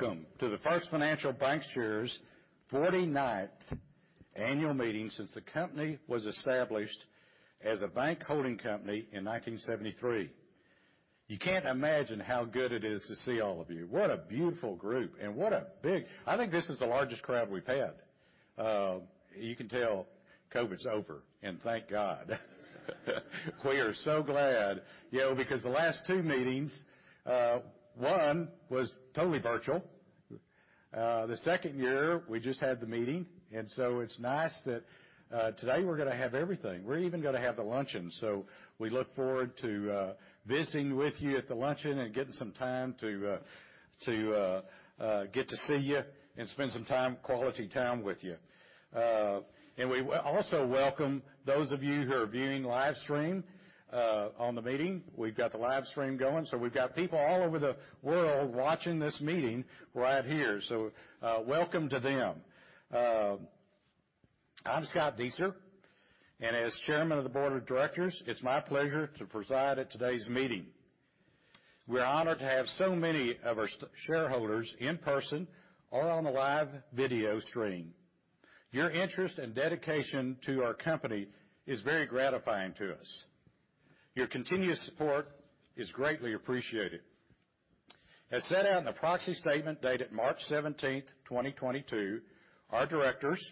Welcome to the First Financial Bankshares 49th annual meeting since the company was established as a bank holding company in 1973. You can't imagine how good it is to see all of you. What a beautiful group. I think this is the largest crowd we've had. You can tell COVID's over and thank God. We are so glad, you know, because the last two meetings, one was totally virtual. The second year, we just had the meeting. It's nice that today we're going to have everything. We're even gonna have the luncheon. We look forward to visiting with you at the luncheon and getting some time to get to see you and spend some time, quality time with you. We also welcome those of you who are viewing live stream on the meeting. We've got the live stream going, so we've got people all over the world watching this meeting right here. Welcome to them. I'm Scott Dueser, and as Chairman of the board of directors, it's my pleasure to preside at today's meeting. We are honored to have so many of our shareholders in person or on the live video stream. Your interest and dedication to our company is very gratifying to us. Your continuous support is greatly appreciated. As set out in the proxy statement dated March 17th, 2022, our directors,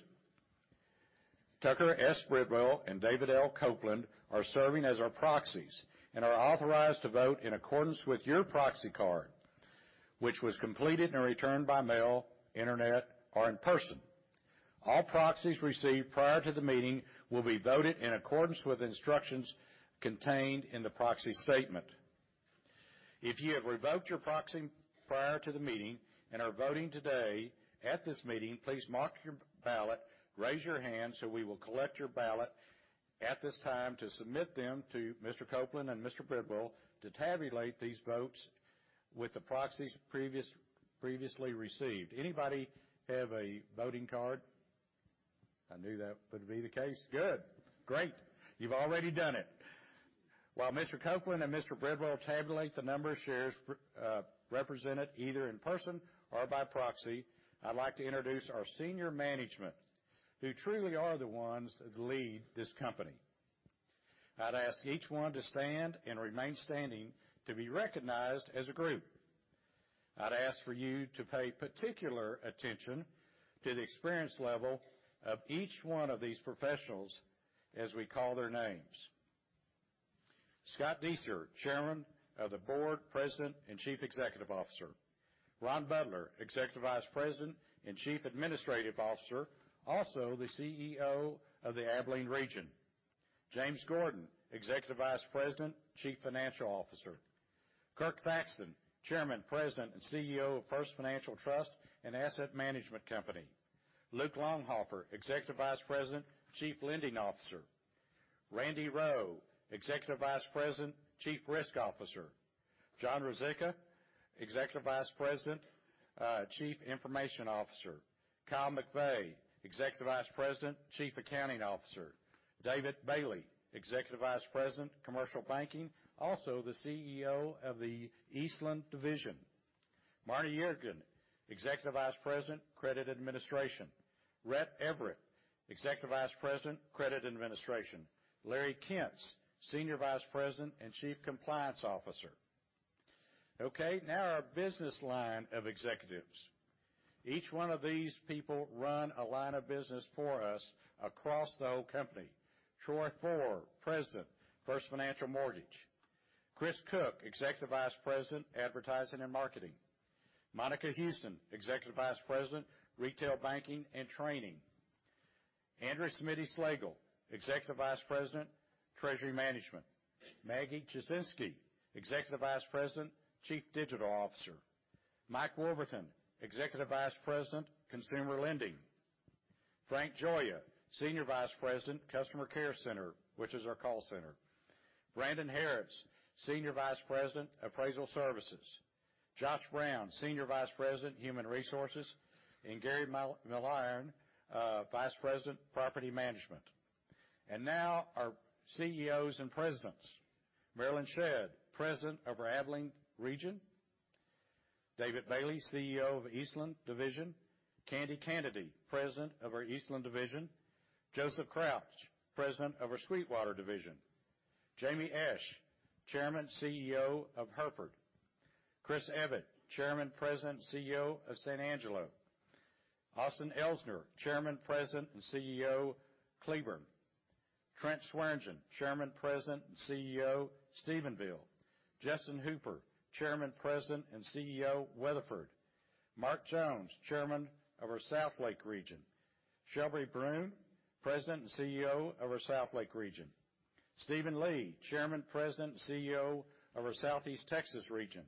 Tucker S. Bridwell and David L. Copeland, are serving as our proxies and are authorized to vote in accordance with your proxy card, which was completed and returned by mail, internet or in person. All proxies received prior to the meeting will be voted in accordance with instructions contained in the proxy statement. If you have revoked your proxy prior to the meeting and are voting today at this meeting, please mark your ballot, raise your hand, so we will collect your ballot at this time to submit them to Mr. Copeland and Mr. Bridwell to tabulate these votes with the proxies previously received. Anybody have a voting card? I knew that would be the case. Good. Great. You've already done it. While Mr. Copeland and Mr. Bridwell tabulate the number of shares represented either in person or by proxy, I'd like to introduce our senior management, who truly are the ones that lead this company. I'd ask each one to stand and remain standing to be recognized as a group. I'd ask for you to pay particular attention to the experience level of each one of these professionals as we call their names. Scott Dueser, Chairman of the Board, President, and Chief Executive Officer. Ron Butler, Executive Vice President and Chief Administrative Officer, also the CEO of the Abilene Region. James Gordon, Executive Vice President, Chief Financial Officer. Kirk Thaxton, Chairman, President, and CEO of First Financial Trust & Asset Management Company. Luke Longhofer, Executive Vice President, Chief Lending Officer. Randy Roewe, Executive Vice President, Chief Risk Officer. John Ruzicka, Executive Vice President, Chief Information Officer. Kyle McVey, Executive Vice President, Chief Accounting Officer. David Bailey, Executive Vice President, Commercial Banking, also the CEO of the Eastland Division. Marna Yerigan, Executive Vice President, Credit Administration. Rett Everett, Executive Vice President, Credit Administration. Larry Kentz, Senior Vice President and Chief Compliance Officer. Okay, now our business line of executives. Each one of these people run a line of business for us across the whole company. Troy Fore, President, First Financial Mortgage. Chris Cook, Executive Vice President, Advertising and Marketing. Monica Houston, Executive Vice President, Retail banking and Training. Andrew Slagle, Executive Vice President, Treasury Management. Maggie Tuschinski, Executive Vice President, Chief Digital officer. Mike Wolverton, Executive Vice President, Consumer Lending. Frank Gioia, Senior Vice President, customer care center, which is our call center. Brandon Harris, Senior Vice President, appraisal services. Josh Brown, Senior Vice President, human resources. Gary Miliron, Vice President, Property management. Now our CEOs and presidents. Marelyn Shedd, President of our Abilene region. David Bailey, CEO of Eastland division. Candi Kanady, President of our Eastland Division. Joseph Crouch, President of our Sweetwater Division. Jamie Esch, Chairman, CEO of Hereford. Chris Evatt, Chairman, President, CEO of San Angelo. Austin Elsner, Chairman, President, and CEO, Cleburne. Trent Swearengin, Chairman, President, and CEO, Stephenville. Justin Hooper, Chairman, President, and CEO, Weatherford. Mark Jones, Chairman of our Southlake region. Shelby Bruhn, President and CEO of our Southlake region. Stephen Lee, Chairman, President, CEO of our Southeast Texas region.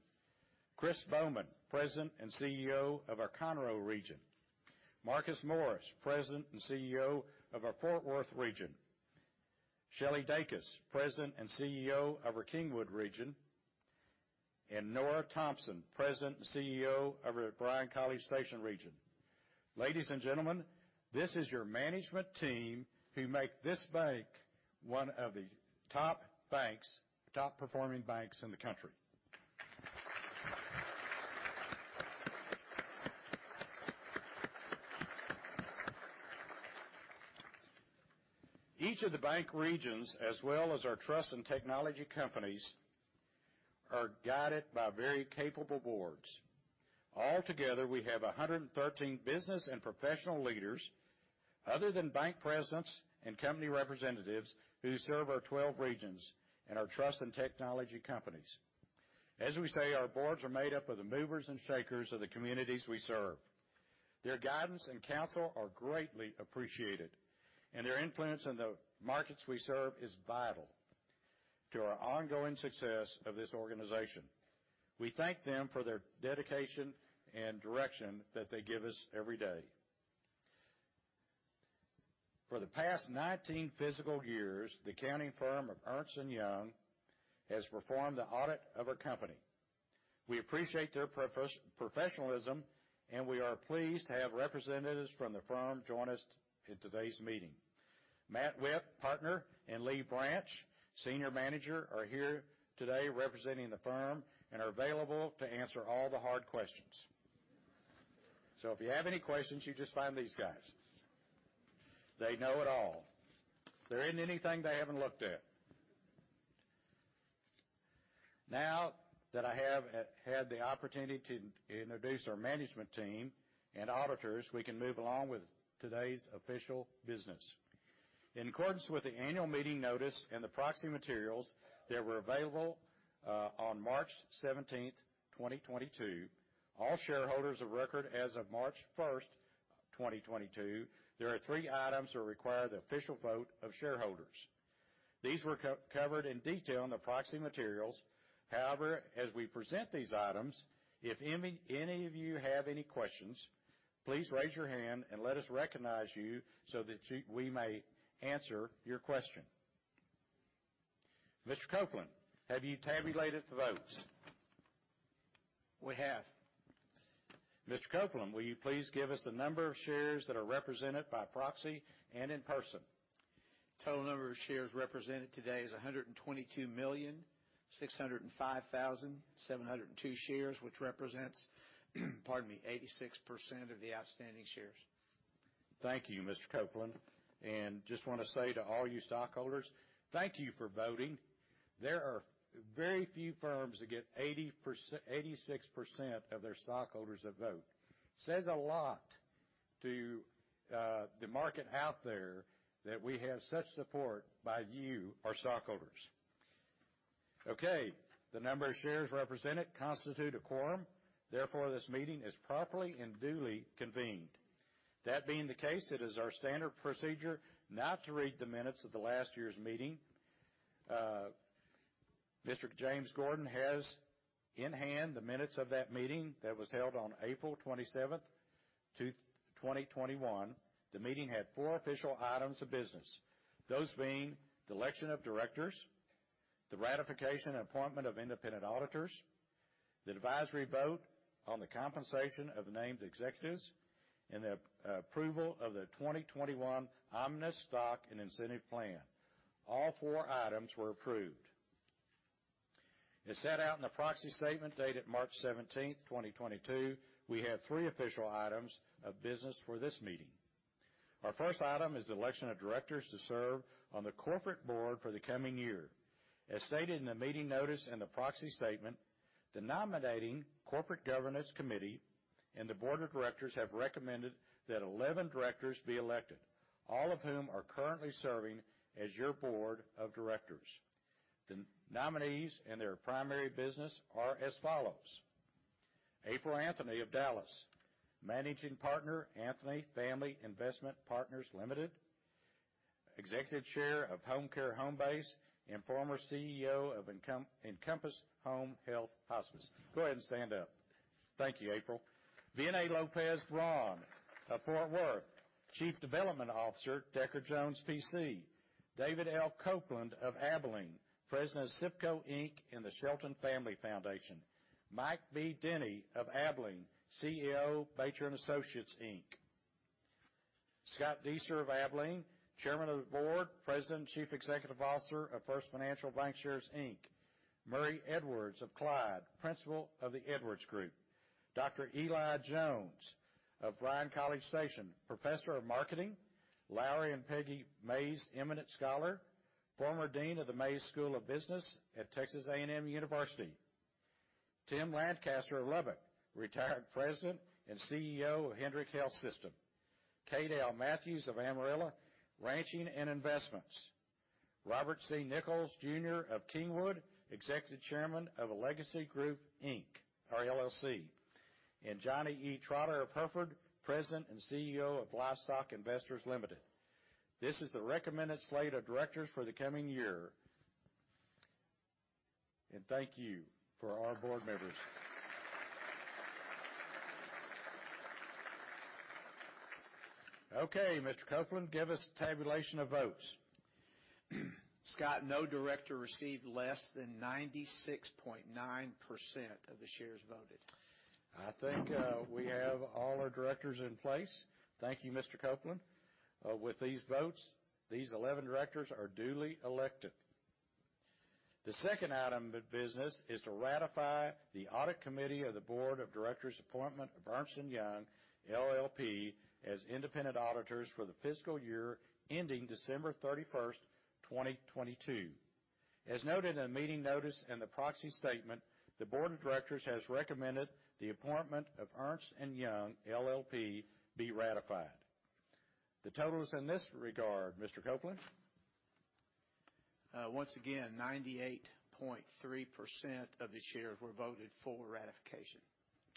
Chris Baughman, President and CEO of our Conroe region. Marcus Morris, President and CEO of our Fort Worth region. Shelley Dacus, President and CEO of our Kingwood region. Nora Thompson, President and CEO of our Bryan-College Station region. Ladies and gentlemen, this is your management team who make this bank one of the top banks, top performing banks in the country. Each of the bank regions, as well as our trust and technology companies, are guided by very capable boards. All together, we have 113 business and professional leaders other than bank presidents and company representatives who serve our 12 regions and our trust and technology companies. As we say, our boards are made up of the movers and shakers of the communities we serve. Their guidance and counsel are greatly appreciated, and their influence in the markets we serve is vital to our ongoing success of this organization. We thank them for their dedication and direction that they give us every day. For the past 19 physical years, the accounting firm of Ernst & Young has performed the audit of our company. We appreciate their professionalism, and we are pleased to have representatives from the firm join us in today's meeting. Matt Witt, Partner, and Lee Branch, Senior Manager, are here today representing the firm and are available to answer all the hard questions. If you have any questions, you just find these guys. They know it all. There isn't anything they haven't looked at. Now that I have had the opportunity to introduce our management team and auditors, we can move along with today's official business. In accordance with the annual meeting notice and the proxy materials that were available on March 17th, 2022, all shareholders of record as of March 1st, 2022, there are three items that require the official vote of shareholders. These were covered in detail in the proxy materials. However, as we present these items, if any of you have any questions, please raise your hand and let us recognize you so that we may answer your question. Mr. Copeland, have you tabulated the votes? We have. Mr. Copeland, will you please give us the number of shares that are represented by proxy and in person? Total number of shares represented today is 122,605,702 shares, which represents pardon me, 86% of the outstanding shares. Thank you, Mr. Copeland. Just want to say to all you stockholders, thank you for voting. There are very few firms that get 86% of their stockholders to vote. Says a lot to the market out there that we have such support by you, our stockholders. Okay, the number of shares represented constitute a quorum, therefore, this meeting is properly and duly convened. That being the case, it is our standard procedure now to read the minutes of the last year's meeting. Mr. James Gordon has in hand the minutes of that meeting that was held on April 27th, 2021. The meeting had four official items of business, those being the election of directors, the ratification and appointment of independent auditors, the advisory vote on the compensation of the named executives, and the approval of the 2021 Omnibus Stock and Incentive Plan. All four items were approved. As set out in the proxy statement dated March 17th, 2022, we have three official items of business for this meeting. Our first item is the election of directors to serve on the corporate board for the coming year. As stated in the meeting notice and the proxy statement, the Nominating-Corporate Governance Committee and the board of directors have recommended that 11 directors be elected, all of whom are currently serving as your board of directors. The nominees and their primary business are as follows: April Anthony of Dallas, Managing Partner, Anthony Family Investment Partners, Ltd., Executive Chair of Homecare Homebase, and former CEO of Encompass Home Health & Hospice. Go ahead and stand up. Thank you, April. Vianei Lopez Braun of Fort Worth, Chief Development Officer, Decker Jones, P.C. David L. Copeland of Abilene, President of SIPCO, Inc. and the Shelton Family Foundation. Mike B. Denny of Abilene, President, Batjer & Associates, Inc. F. Scott Dueser of Abilene, Chairman of the Board, President and Chief Executive Officer of First Financial Bankshares, Inc. Murray Edwards of Clyde, Principal of The Edwards Group. Dr. Eli Jones of Bryan-College Station, Professor of Marketing, Lowry and Peggy Mays Eminent Scholar, former Dean of the Mays Business School at Texas A&M University. Tim Lancaster of Lubbock, Retired President and CEO of Hendrick Health System. Kade Matthews of Amarillo, Ranching and Investments. Robert Nickles, Jr. of Kingwood, Executive Chairman of Alegacy Group, LLC. Johnny E. Trotter of Hereford, President and CEO of Livestock Investors Ltd. This is the recommended slate of directors for the coming year. Thank you for our board members. Okay, Mr. Copeland, give us the tabulation of votes. Scott, no director received less than 96.9% of the shares voted. I think, we have all our directors in place. Thank you, Mr. Copeland. With these votes, these 11 directors are duly elected. The second item of business is to ratify the audit committee of the board of directors' appointment of Ernst & Young LLP as independent auditors for the fiscal year ending December 31st, 2022. As noted in the meeting notice in the proxy statement, the board of directors has recommended the appointment of Ernst & Young LLP be ratified. The totals in this regard, Mr. Copeland. Once again, 98.3% of the shares were voted for ratification.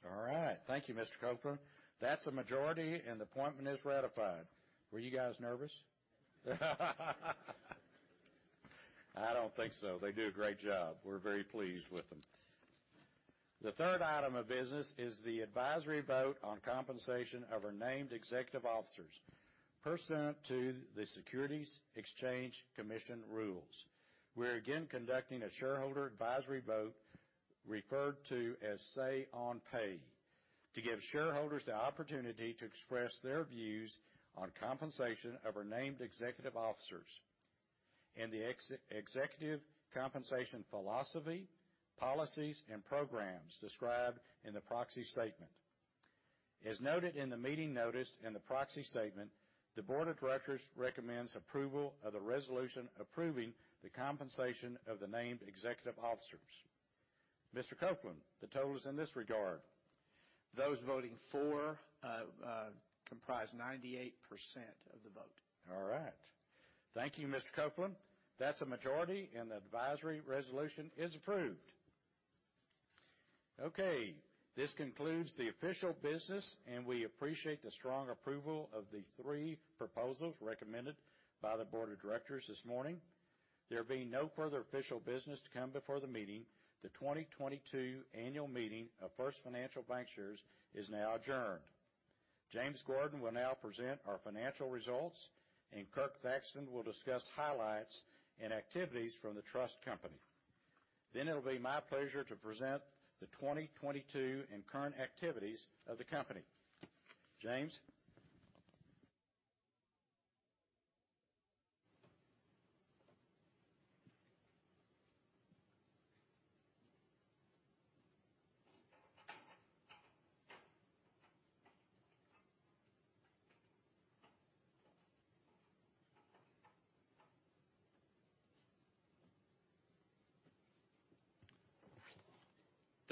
All right. Thank you, Mr. Copeland. That's a majority, and the appointment is ratified. Were you guys nervous? I don't think so. They do a great job. We're very pleased with them. The third item of business is the advisory vote on compensation of our named executive officers pursuant to the Securities and Exchange Commission rules. We're again conducting a shareholder advisory vote referred to as Say-on-Pay, to give shareholders the opportunity to express their views on compensation of our named executive officers and the executive compensation philosophy, policies, and programs described in the proxy statement. As noted in the meeting notice in the proxy statement, the board of directors recommends approval of the resolution approving the compensation of the named executive officers. Mr. Copeland, the totals in this regard. Those voting for comprise 98% of the vote. All right. Thank you, Mr. Copeland. That's a majority, and the advisory resolution is approved. Okay, this concludes the official business, and we appreciate the strong approval of the three proposals recommended by the board of directors this morning. There being no further official business to come before the meeting, the 2022 annual meeting of First Financial Bankshares is now adjourned. James Gordon will now present our financial results, and Kirk Thaxton will discuss highlights and activities from the trust company. Then it'll be my pleasure to present the 2022 and current activities of the company. James.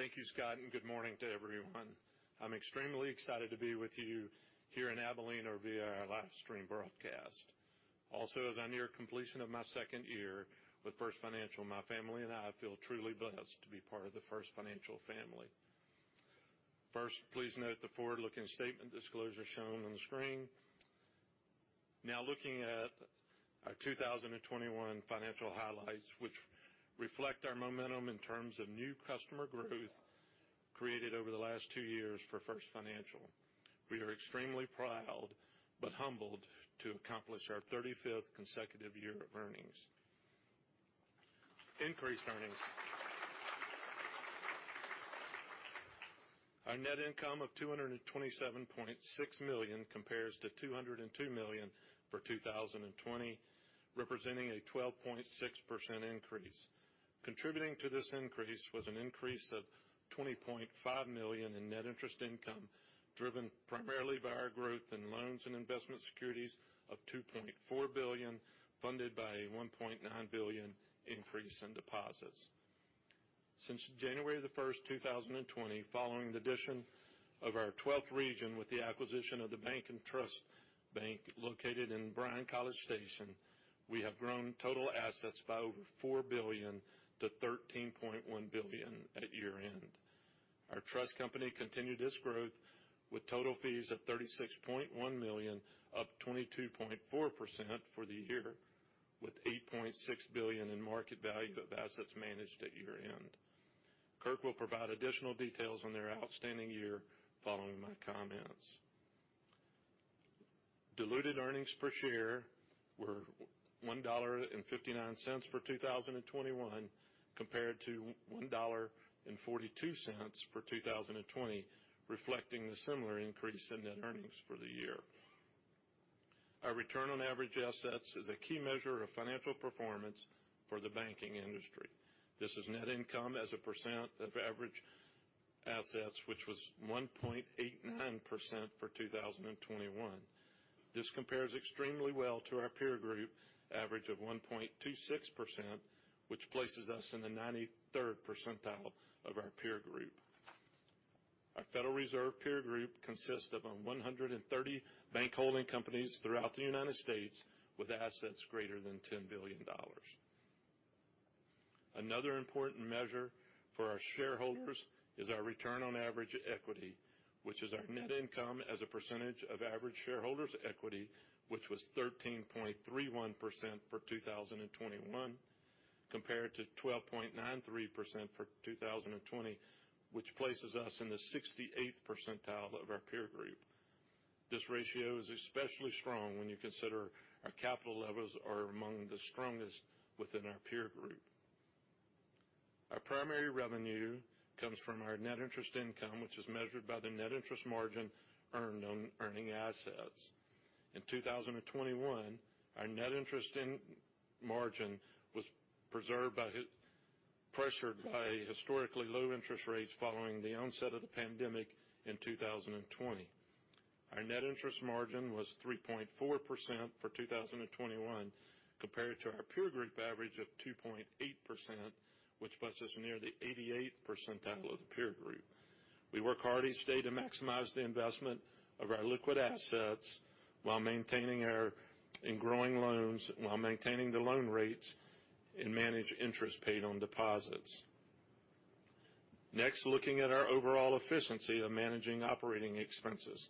Thank you, Scott, and good morning to everyone. I'm extremely excited to be with you here in Abilene or via our live stream broadcast. Also, as I near completion of my second year with First Financial, my family and I feel truly blessed to be part of the First Financial family. First, please note the forward-looking statement disclosure shown on the screen. Now looking at our 2021 financial highlights, which reflect our momentum in terms of new customer growth created over the last two years for First Financial. We are extremely proud but humbled to accomplish our 35th consecutive year of increased earnings. Our net income of $227.6 million compares to $202 million for 2020, representing a 12.6% increase. Contributing to this increase was an increase of $20.5 million in net interest income, driven primarily by our growth in loans and investment securities of $2.4 billion, funded by a $1.9 billion increase in deposits. Since January 1st, 2020, following the addition of our 12th region with the acquisition of The Bank & Trust located in Bryan-College Station, we have grown total assets by over $4 billion-$13.1 billion at year-end. Our trust company continued its growth with total fees of $36.1 million, up 22.4% for the year, with $8.6 billion in market value of assets managed at year-end. Kirk will provide additional details on their outstanding year following my comments. Diluted earnings per share were $1.59 for 2021, compared to $1.42 for 2020, reflecting the similar increase in net earnings for the year. Our return on average assets is a key measure of financial performance for the banking industry. This is net income as a percent of average assets, which was 1.89% for 2021. This compares extremely well to our peer group average of 1.26%, which places us in the 93rd percentile of our peer group. Our Federal Reserve peer group consists of 130 bank holding companies throughout the United States with assets greater than $10 billion. Another important measure for our shareholders is our return on average equity, which is our net income as a percentage of average shareholders' equity, which was 13.31% for 2021. Compared to 12.93% for 2020, which places us in the 68th percentile of our peer group. This ratio is especially strong when you consider our capital levels are among the strongest within our peer group. Our primary revenue comes from our net interest income, which is measured by the net interest margin earned on earning assets. In 2021, our net interest margin was pressured by historically low interest rates following the onset of the pandemic in 2020. Our net interest margin was 3.4% for 2021 compared to our peer group average of 2.8%, which places near the 88th percentile of the peer group. We work hard each day to maximize the investment of our liquid assets while maintaining and growing loans, while maintaining the loan rates and managing interest paid on deposits. Next, looking at our overall efficiency of managing operating expenses.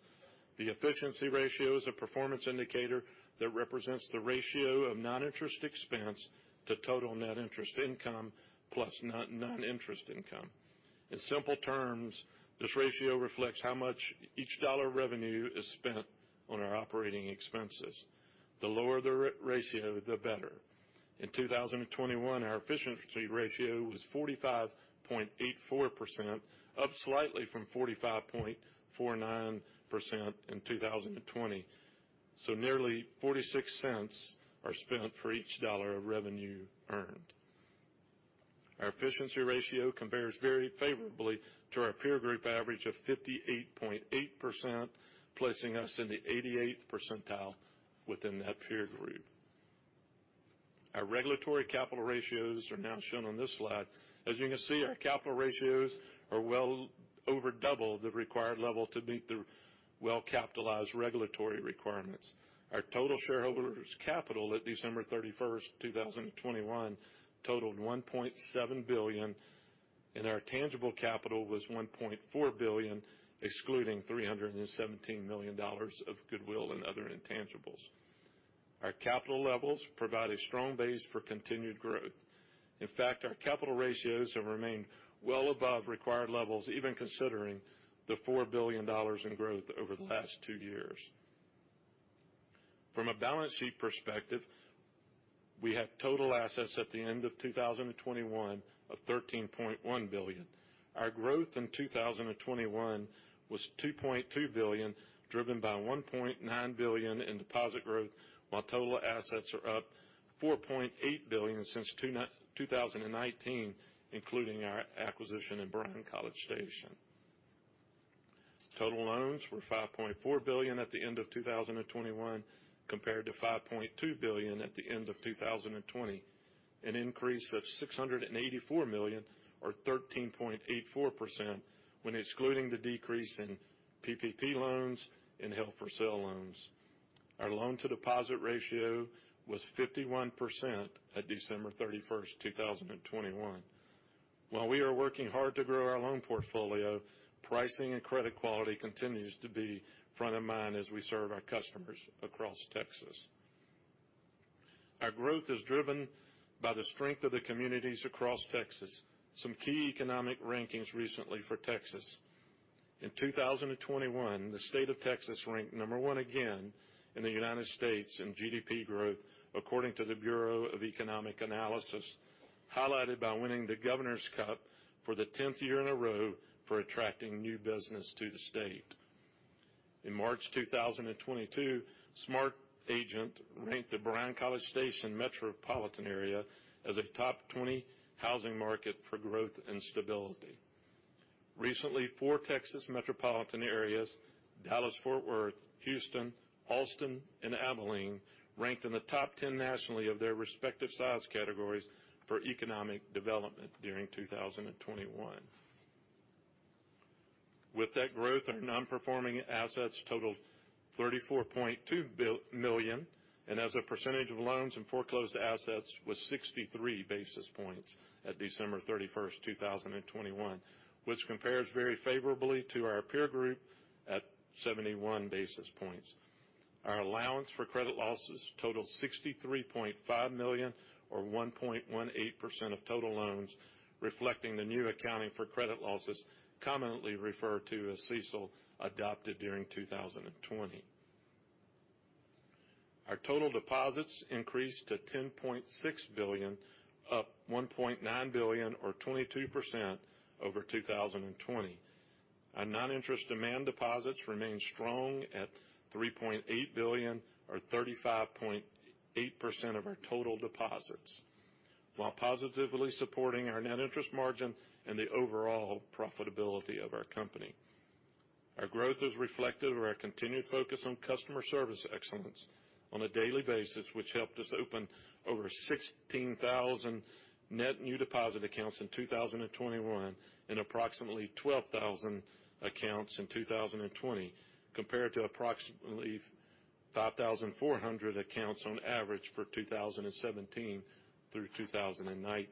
The efficiency ratio is a performance indicator that represents the ratio of non-interest expense to total net interest income plus non-interest income. In simple terms, this ratio reflects how much each dollar of revenue is spent on our operating expenses. The lower the ratio, the better. In 2021, our efficiency ratio was 45.84%, up slightly from 45.49% in 2020. Nearly $0.46 are spent for each $1 of revenue earned. Our efficiency ratio compares very favorably to our peer group average of 58.8%, placing us in the 88th percentile within that peer group. Our regulatory capital ratios are now shown on this slide. As you can see, our capital ratios are well over double the required level to meet the well-capitalized regulatory requirements. Our total shareholders capital at December 31st, 2021, totaled $1.7 billion, and our tangible capital was $1.4 billion, excluding $317 million of goodwill and other intangibles. Our capital levels provide a strong base for continued growth. In fact, our capital ratios have remained well above required levels, even considering the $4 billion in growth over the last two years. From a balance sheet perspective, we have total assets at the end of 2021 of $13.1 billion. Our growth in 2021 was $2.2 billion, driven by $1.9 billion in deposit growth, while total assets are up $4.8 billion since 2019, including our acquisition in Bryan/College Station. Total loans were $5.4 billion at the end of 2021, compared to $5.2 billion at the end of 2020, an increase of $684 million or 13.84% when excluding the decrease in PPP loans and held-for-sale loans. Our loan to deposit ratio was 51% at December 31st, 2021. While we are working hard to grow our loan portfolio, pricing and credit quality continues to be front of mind as we serve our customers across Texas. Our growth is driven by the strength of the communities across Texas. Some key economic rankings recently for Texas. In 2021, the state of Texas ranked number one again in the United States in GDP growth, according to the Bureau of Economic Analysis, highlighted by winning the Governor's Cup for the tenth year in a row for attracting new business to the state. In March 2022, SmartAsset ranked the Bryan/College Station metropolitan area as a top 20 housing market for growth and stability. Recently, four Texas metropolitan areas, Dallas-Fort Worth, Houston, Austin, and Abilene, ranked in the top 10 nationally of their respective size categories for economic development during 2021. With that growth, our non-performing assets totaled $34.2 million, and as a percentage of loans and foreclosed assets was 63 basis points at December 31st, 2021, which compares very favorably to our peer group at 71 basis points. Our allowance for credit losses totaled $63.5 million or 1.18% of total loans, reflecting the new accounting for credit losses, commonly referred to as CECL, adopted during 2020. Our total deposits increased to $10.6 billion, up $1.9 billion or 22% over 2020. Our non-interest demand deposits remain strong at $3.8 billion or 35.8% of our total deposits, while positively supporting our net interest margin and the overall profitability of our company. Our growth is reflective of our continued focus on customer service excellence on a daily basis, which helped us open over 16,000 net new deposit accounts in 2021 and approximately 12,000 accounts in 2020, compared to approximately 5,400 accounts on average for 2017 through 2019.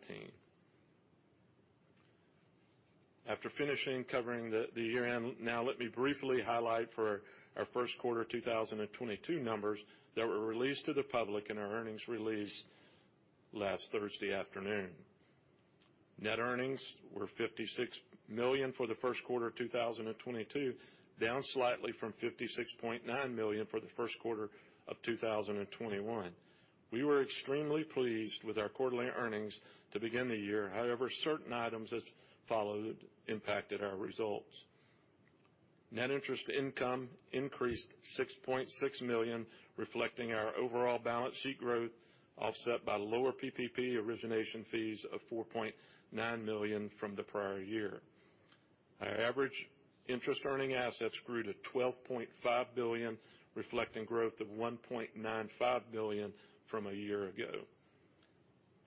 After finishing covering the year-end, now let me briefly highlight for our first quarter 2022 numbers that were released to the public in our earnings release last Thursday afternoon. Net earnings were $56 million for the first quarter of 2022, down slightly from $56.9 million for the first quarter of 2021. We were extremely pleased with our quarterly earnings to begin the year. However, certain items as follows impacted our results. Net interest income increased $6.6 million, reflecting our overall balance sheet growth, offset by lower PPP origination fees of $4.9 million from the prior year. Our average interest earning assets grew to $12.5 billion, reflecting growth of $1.95 billion from a year ago.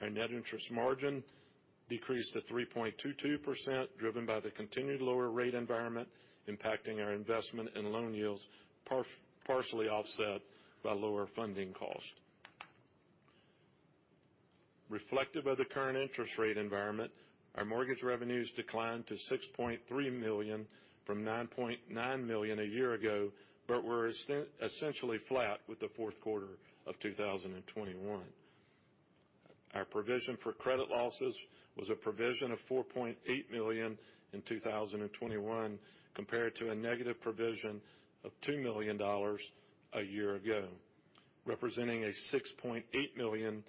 Our net interest margin decreased to 3.22%, driven by the continued lower rate environment impacting our investment in loan yields, partially offset by lower funding costs. Reflective of the current interest rate environment, our mortgage revenues declined to $6.3 million from $9.9 million a year ago but were essentially flat with the fourth quarter of 2021. Our provision for credit losses was a provision of $4.8 million in 2021, compared to a negative provision of $2 million a year ago, representing a $6.8 million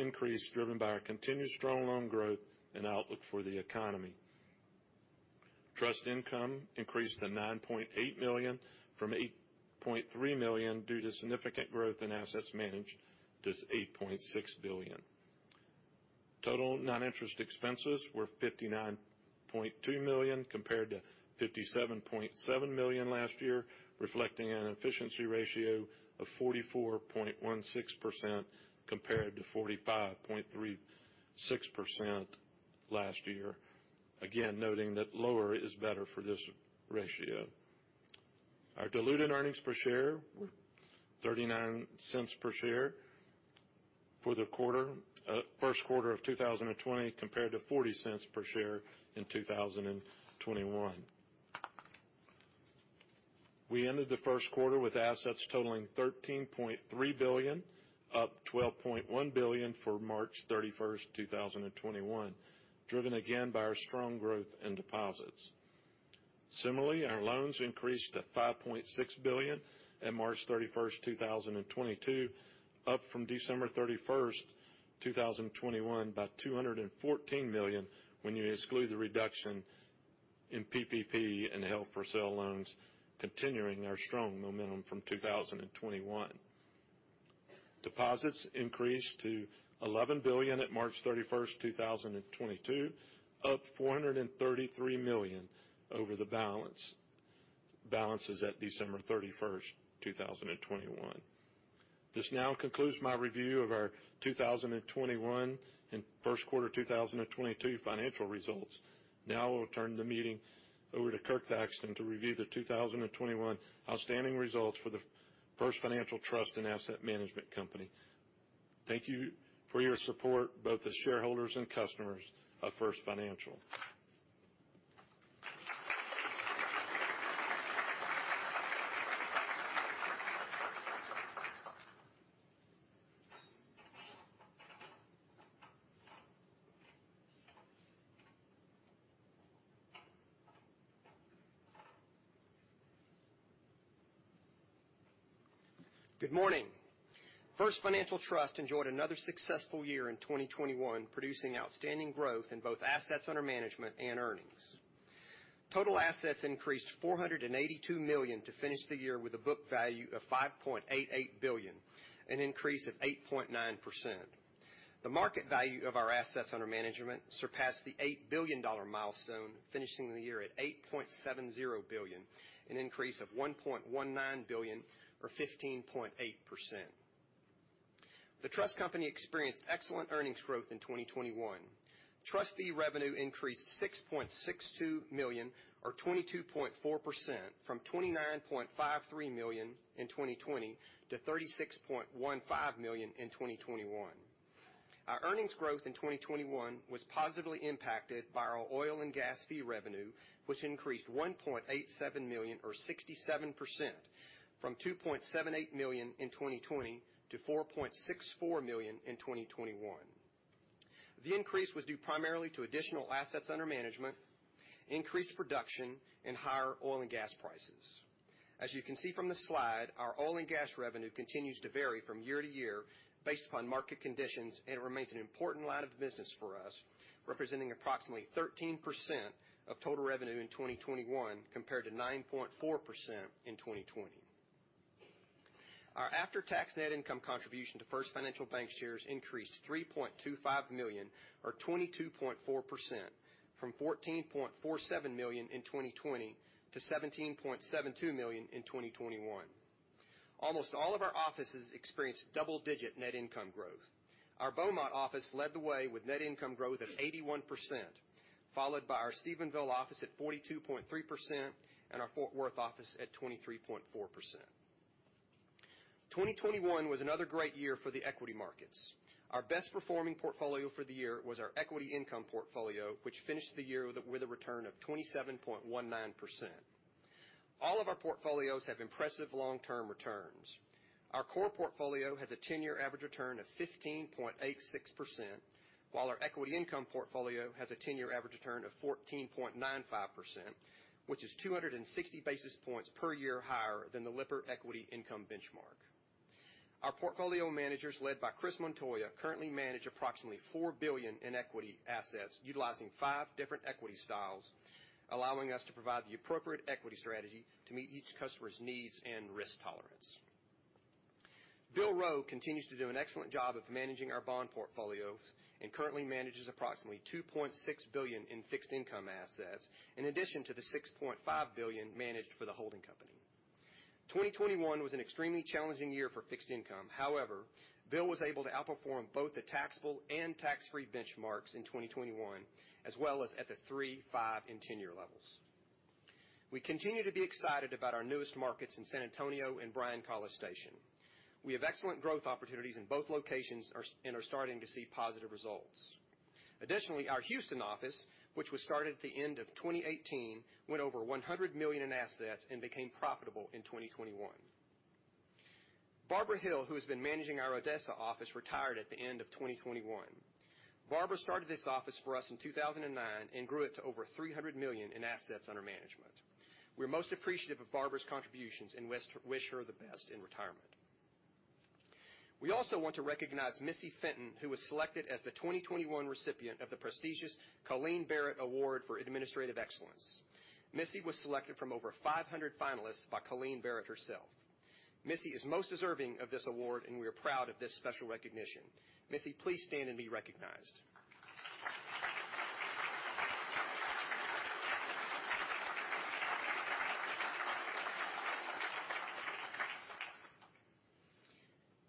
increase driven by our continued strong loan growth and outlook for the economy. Trust income increased to $9.8 million from $8.3 million due to significant growth in assets managed to $8.6 billion. Total non-interest expenses were $59.2 million compared to $57.7 million last year, reflecting an efficiency ratio of 44.16% compared to 45.36% last year. Again, noting that lower is better for this ratio. Our diluted earnings per share were $0.39 per share for the first quarter of 2020 compared to $0.40 per share in 2021. We ended the first quarter with assets totaling $13.3 billion, up from $12.1 billion at March 31st, 2021, driven again by our strong growth in deposits. Similarly, our loans increased to $5.6 billion at March 31st, 2022, up from December 31st, 2021, by $214 million when you exclude the reduction in PPP and held-for-sale loans, continuing our strong momentum from 2021. Deposits increased to $11 billion at March 31st, 2022, up $433 million over the balances at December 31st, 2021. This now concludes my review of our 2021 and first quarter 2022 financial results. Now I will turn the meeting over to Kirk Thaxton to review the 2021 outstanding results for the First Financial Trust & Asset Management Company. Thank you for your support, both the shareholders and customers of First Financial. Good morning. First Financial Trust enjoyed another successful year in 2021, producing outstanding growth in both assets under management and earnings. Total assets increased $482 million to finish the year with a book value of $5.88 billion, an increase of 8.9%. The market value of our assets under management surpassed the $8 billion milestone, finishing the year at $8.70 billion, an increase of $1.19 billion or 15.8%. The Trust company experienced excellent earnings growth in 2021. Trust fee revenue increased $6.62 million or 22.4% from $29.53 million in 2020 to $36.15 million in 2021. Our earnings growth in 2021 was positively impacted by our oil and gas fee revenue, which increased $1.87 million or 67% from $2.78 million in 2020 to $4.64 million in 2021. The increase was due primarily to additional assets under management, increased production, and higher oil and gas prices. As you can see from this slide, our oil and gas revenue continues to vary from year to year based upon market conditions and it remains an important line of business for us, representing approximately 13% of total revenue in 2021 compared to 9.4% in 2020. Our after-tax net income contribution to First Financial Bankshares increased $3.25 million or 22.4% from $14.47 million in 2020 to $17.72 million in 2021. Almost all of our offices experienced double-digit net income growth. Our Beaumont office led the way with net income growth of 81%, followed by our Stephenville office at 42.3% and our Fort Worth office at 23.4%. 2021 was another great year for the equity markets. Our best performing portfolio for the year was our equity income portfolio, which finished the year with a return of 27.19%. All of our portfolios have impressive long-term returns. Our core portfolio has a 10-year average return of 15.86%, while our equity income portfolio has a 10-year average return of 14.95%, which is 260 basis points per year higher than the Lipper Equity Income Benchmark. Our portfolio managers, led by Chris Montoya, currently manage approximately $4 billion in equity assets utilizing five different equity styles, allowing us to provide the appropriate equity strategy to meet each customer's needs and risk tolerance. Bill Rowe continues to do an excellent job of managing our bond portfolios and currently manages approximately $2.6 billion in fixed income assets in addition to the $6.5 billion managed for the holding company. 2021 was an extremely challenging year for fixed income. However, Bill was able to outperform both the taxable and tax-free benchmarks in 2021, as well as at the three, five, and 10-year levels. We continue to be excited about our newest markets in San Antonio and Bryan-College Station. We have excellent growth opportunities in both locations and are starting to see positive results. Additionally, our Houston office, which was started at the end of 2018, went over $100 million in assets and became profitable in 2021. Barbara Hill, who has been managing our Odessa office, retired at the end of 2021. Barbara started this office for us in 2009 and grew it to over $300 million in assets under management. We're most appreciative of Barbara's contributions and we wish her the best in retirement. We also want to recognize Missy Fenton, who was selected as the 2021 recipient of the prestigious Colleen Barrett Award for Administrative Excellence. Missy was selected from over 500 finalists by Colleen Barrett herself. Missy is most deserving of this award, and we are proud of this special recognition. Missy, please stand and be recognized.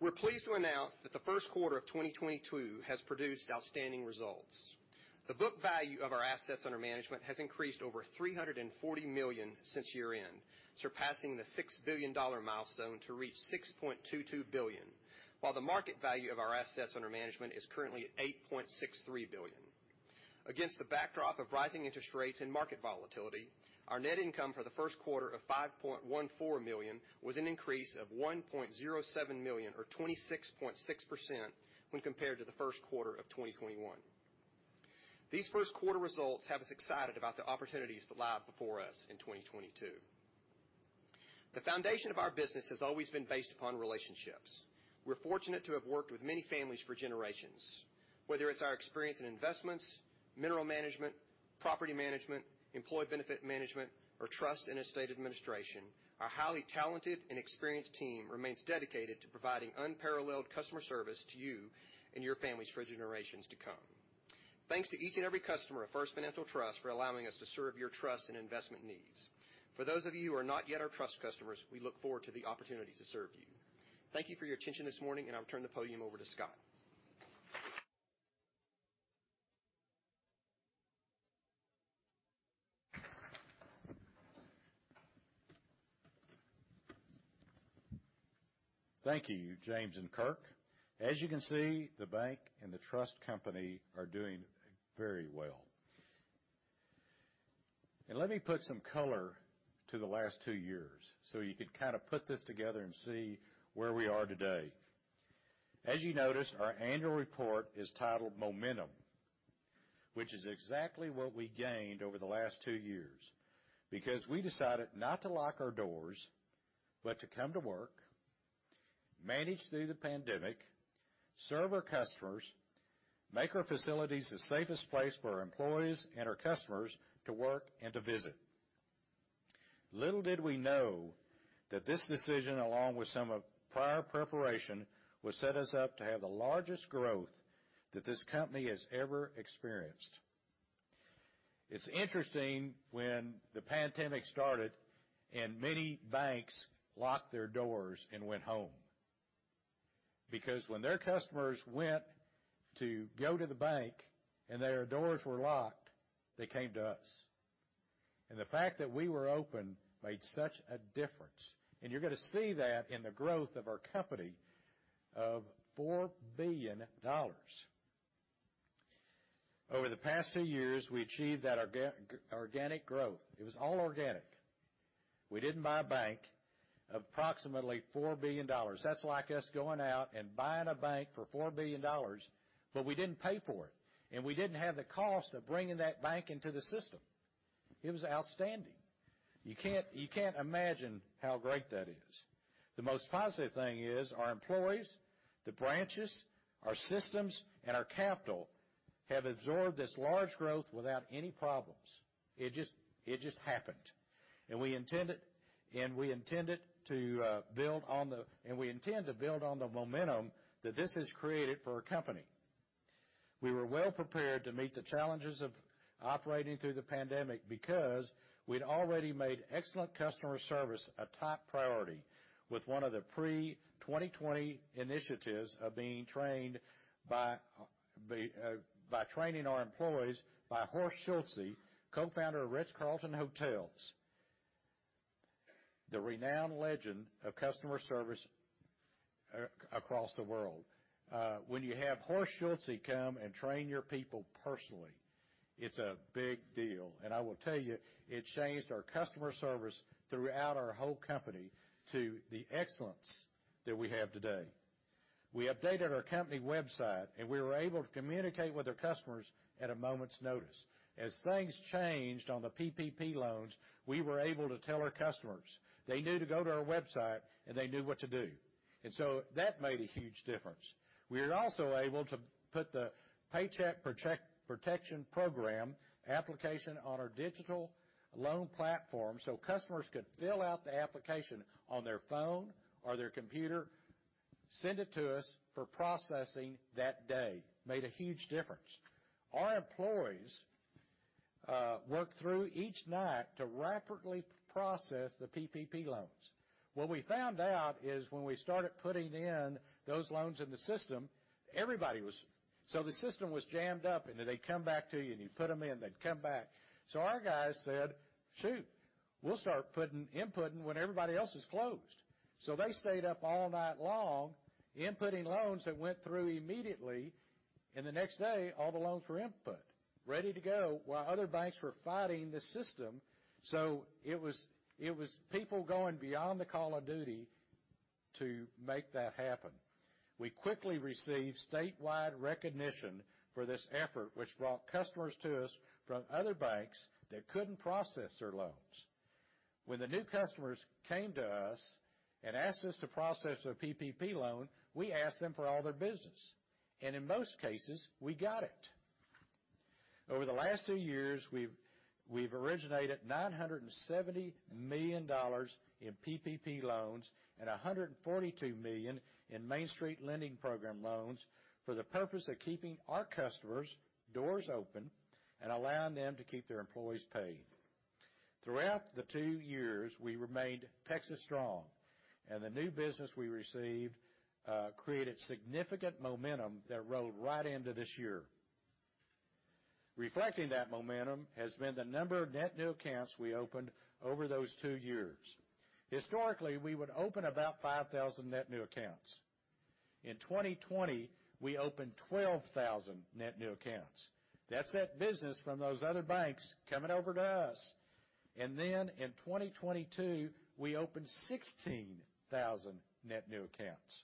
We're pleased to announce that the first quarter of 2022 has produced outstanding results. The book value of our assets under management has increased over $340 million since year-end, surpassing the $6 billion milestone to reach $6.22 billion, while the market value of our assets under management is currently at $8.63 billion. Against the backdrop of rising interest rates and market volatility, our net income for the first quarter of $5.14 million was an increase of $1.07 million or 26.6% when compared to the first quarter of 2021. These first quarter results have us excited about the opportunities that lie before us in 2022. The foundation of our business has always been based upon relationships. We're fortunate to have worked with many families for generations, whether it's our experience in investments, mineral management, property management, employee benefit management, or trust and estate administration. Our highly talented and experienced team remains dedicated to providing unparalleled customer service to you and your families for generations to come. Thanks to each and every customer of First Financial Trust for allowing us to serve your trust and investment needs. For those of you who are not yet our trust customers, we look forward to the opportunity to serve you. Thank you for your attention this morning, and I'll turn the podium over to Scott. Thank you, James and Kirk. As you can see, the bank and the trust company are doing very well. Let me put some color to the last two years so you can kind of put this together and see where we are today. As you notice, our annual report is titled Momentum, which is exactly what we gained over the last two years. Because we decided not to lock our doors, but to come to work, manage through the pandemic, serve our customers, make our facilities the safest place for our employees and our customers to work and to visit. Little did we know that this decision, along with some our prior preparation, would set us up to have the largest growth that this company has ever experienced. It's interesting when the pandemic started and many banks locked their doors and went home, because when their customers went to go to the bank and their doors were locked, they came to us. The fact that we were open made such a difference, and you're going to see that in the growth of our company of $4 billion. Over the past few years, we achieved that organic growth. It was all organic. We didn't buy a bank. Approximately $4 billion. That's like us going out and buying a bank for $4 billion, but we didn't pay for it, and we didn't have the cost of bringing that bank into the system. It was outstanding. You can't imagine how great that is. The most positive thing is our employees, the branches, our systems, and our capital have absorbed this large growth without any problems. It just happened. We intend to build on the momentum that this has created for our company. We were well prepared to meet the challenges of operating through the pandemic because we'd already made excellent customer service a top priority with one of the pre-2020 initiatives of training our employees by Horst Schulze, co-founder of Ritz-Carlton Hotel Company, the renowned legend of customer service across the world. When you have Horst Schulze come and train your people personally, it's a big deal. I will tell you, it changed our customer service throughout our whole company to the excellence that we have today. We updated our company website, and we were able to communicate with our customers at a moment's notice. As things changed on the PPP loans, we were able to tell our customers. They knew to go to our website, and they knew what to do. That made a huge difference. We were also able to put the Paycheck Protection Program application on our digital loan platform so customers could fill out the application on their phone or their computer, send it to us for processing that day. Made a huge difference. Our employees worked through each night to rapidly process the PPP loans. What we found out is when we started putting in those loans in the system, everybody was. So, the system was jammed up, and they'd come back to you, and you'd put them in, they'd come back. Our guys said, "Shoot, we'll start putting input in when everybody else is closed." They stayed up all night long inputting loans that went through immediately, and the next day, all the loans were input, ready to go while other banks were fighting the system. It was people going beyond the call of duty to make that happen. We quickly received statewide recognition for this effort, which brought customers to us from other banks that couldn't process their loans. When the new customers came to us and asked us to process their PPP loan, we asked them for all their business. In most cases, we got it. Over the last two years, we've originated $970 million in PPP loans and $142 million in Main Street Lending Program loans for the purpose of keeping our customers' doors open and allowing them to keep their employees paid. Throughout the two years, we remained Texas strong, and the new business we received created significant momentum that rolled right into this year. Reflecting that momentum has been the number of net new accounts we opened over those two years. Historically, we would open about 5,000 net new accounts. In 2020, we opened 12,000 net new accounts. That's that business from those other banks coming over to us. In 2022, we opened 16,000 net new accounts.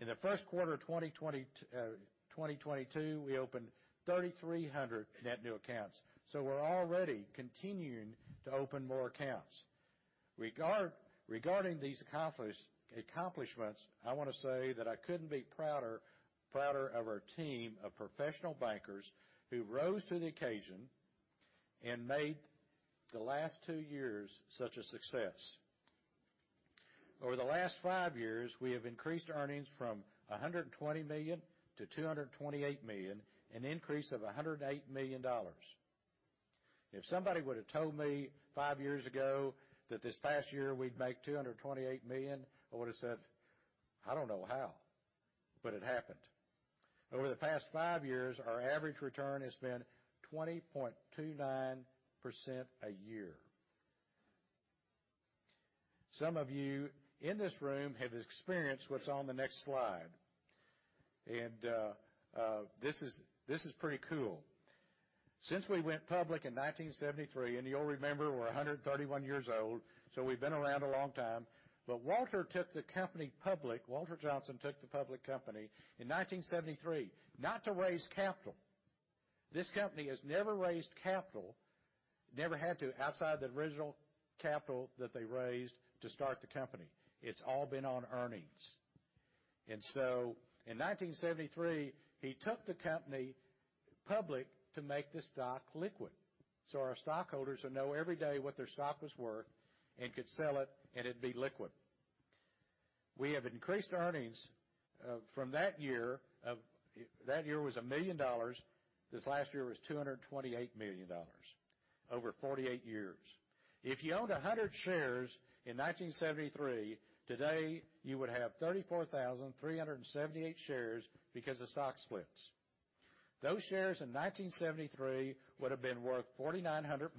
In the first quarter of 2022, we opened 3,300 net new accounts. We're already continuing to open more accounts. Regarding these accomplishments, I want to say that I couldn't be prouder of our team of professional bankers who rose to the occasion and made the last two years such a success. Over the last five years, we have increased earnings from $120 million-$228 million, an increase of $108 million. If somebody would have told me five years ago that this past year, we'd make $228 million, I would've said, "I don't know how," but it happened. Over the past five years, our average return has been 20.29% a year. Some of you in this room have experienced what's on the next slide. This is pretty cool. Since we went public in 1973, and you'll remember we're 131 years old, so we've been around a long time. Walter took the company public, Walter Johnson took the public company in 1973, not to raise capital. This company has never raised capital, never had to, outside the original capital that they raised to start the company. It's all been on earnings. In 1973, he took the company public to make the stock liquid so our stockholders would know every day what their stock was worth and could sell it, and it'd be liquid. We have increased earnings from that year. That year was $1 million. This last year was $228 million, over 48 years. If you owned 100 shares in 1973, today, you would have 34,378 shares because of stock splits. Those shares in 1973 would have been worth $4,900.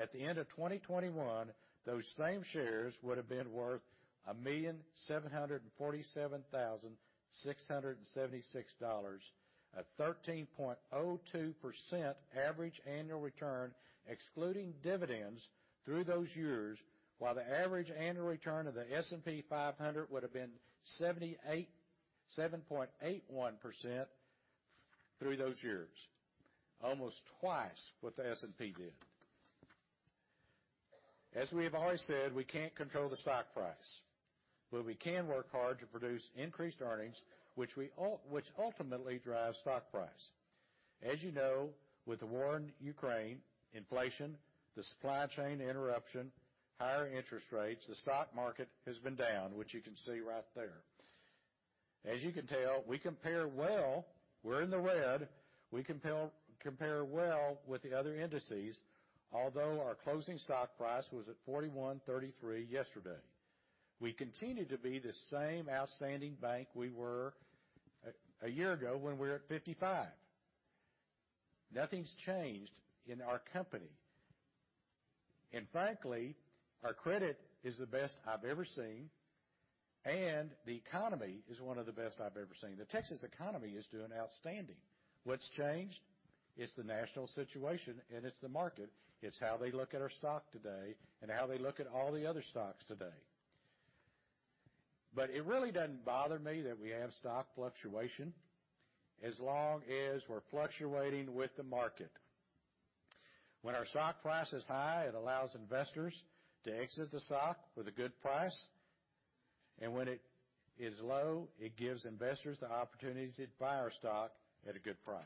At the end of 2021, those same shares would have been worth $1,747,676, a 13.02% average annual return, excluding dividends through those years, while the average annual return of the S&P 500 would have been 7.81% through those years. Almost twice what the S&P did. As we have always said, we can't control the stock price. We can work hard to produce increased earnings, which ultimately drives stock price. As you know, with the war in Ukraine, inflation, the supply chain interruption, higher interest rates, the stock market has been down, which you can see right there. As you can tell, we compare well. We're in the red. We compare well with the other indices. Although our closing stock price was at $41.33 yesterday. We continue to be the same outstanding bank we were a year ago when we were at $55. Nothing's changed in our company. Frankly, our credit is the best I've ever seen, and the economy is one of the best I've ever seen. The Texas economy is doing outstanding. What's changed? It's the national situation, and it's the market. It's how they look at our stock today and how they look at all the other stocks today. It really doesn't bother me that we have stock fluctuation as long as we're fluctuating with the market. When our stock price is high, it allows investors to exit the stock with a good price, and when it is low, it gives investors the opportunity to buy our stock at a good price.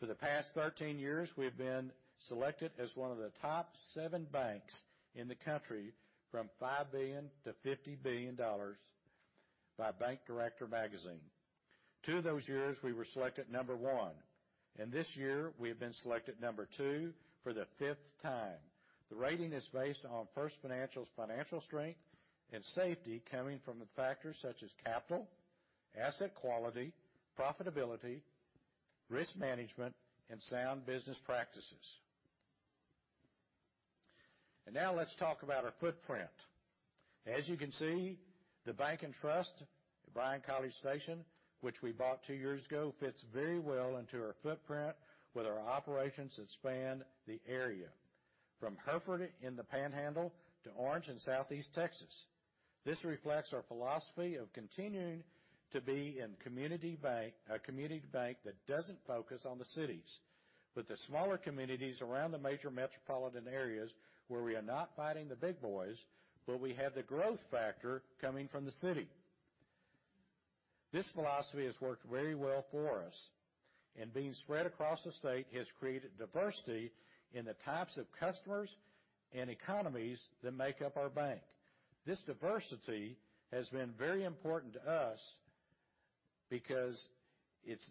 For the past 13 years, we have been selected as one of the top seven banks in the country from $5 billion-$50 billion by Bank Director Magazine. Two of those years we were selected number one, and this year we have been selected number two for the fifth time. The rating is based on First Financial's financial strength and safety coming from the factors such as capital, asset quality, profitability, risk management, and sound business practices. Now let's talk about our footprint. As you can see, The Bank & Trust, Bryan/College Station, which we bought two years ago, fits very well into our footprint with our operations that span the area from Hereford in the Panhandle to Orange in Southeast Texas. This reflects our philosophy of continuing to be in community bank, a community bank that doesn't focus on the cities, but the smaller communities around the major metropolitan areas where we are not fighting the big boys, but we have the growth factor coming from the city. This philosophy has worked very well for us, and being spread across the state has created diversity in the types of customers and economies that make up our bank. This diversity has been very important to us because it's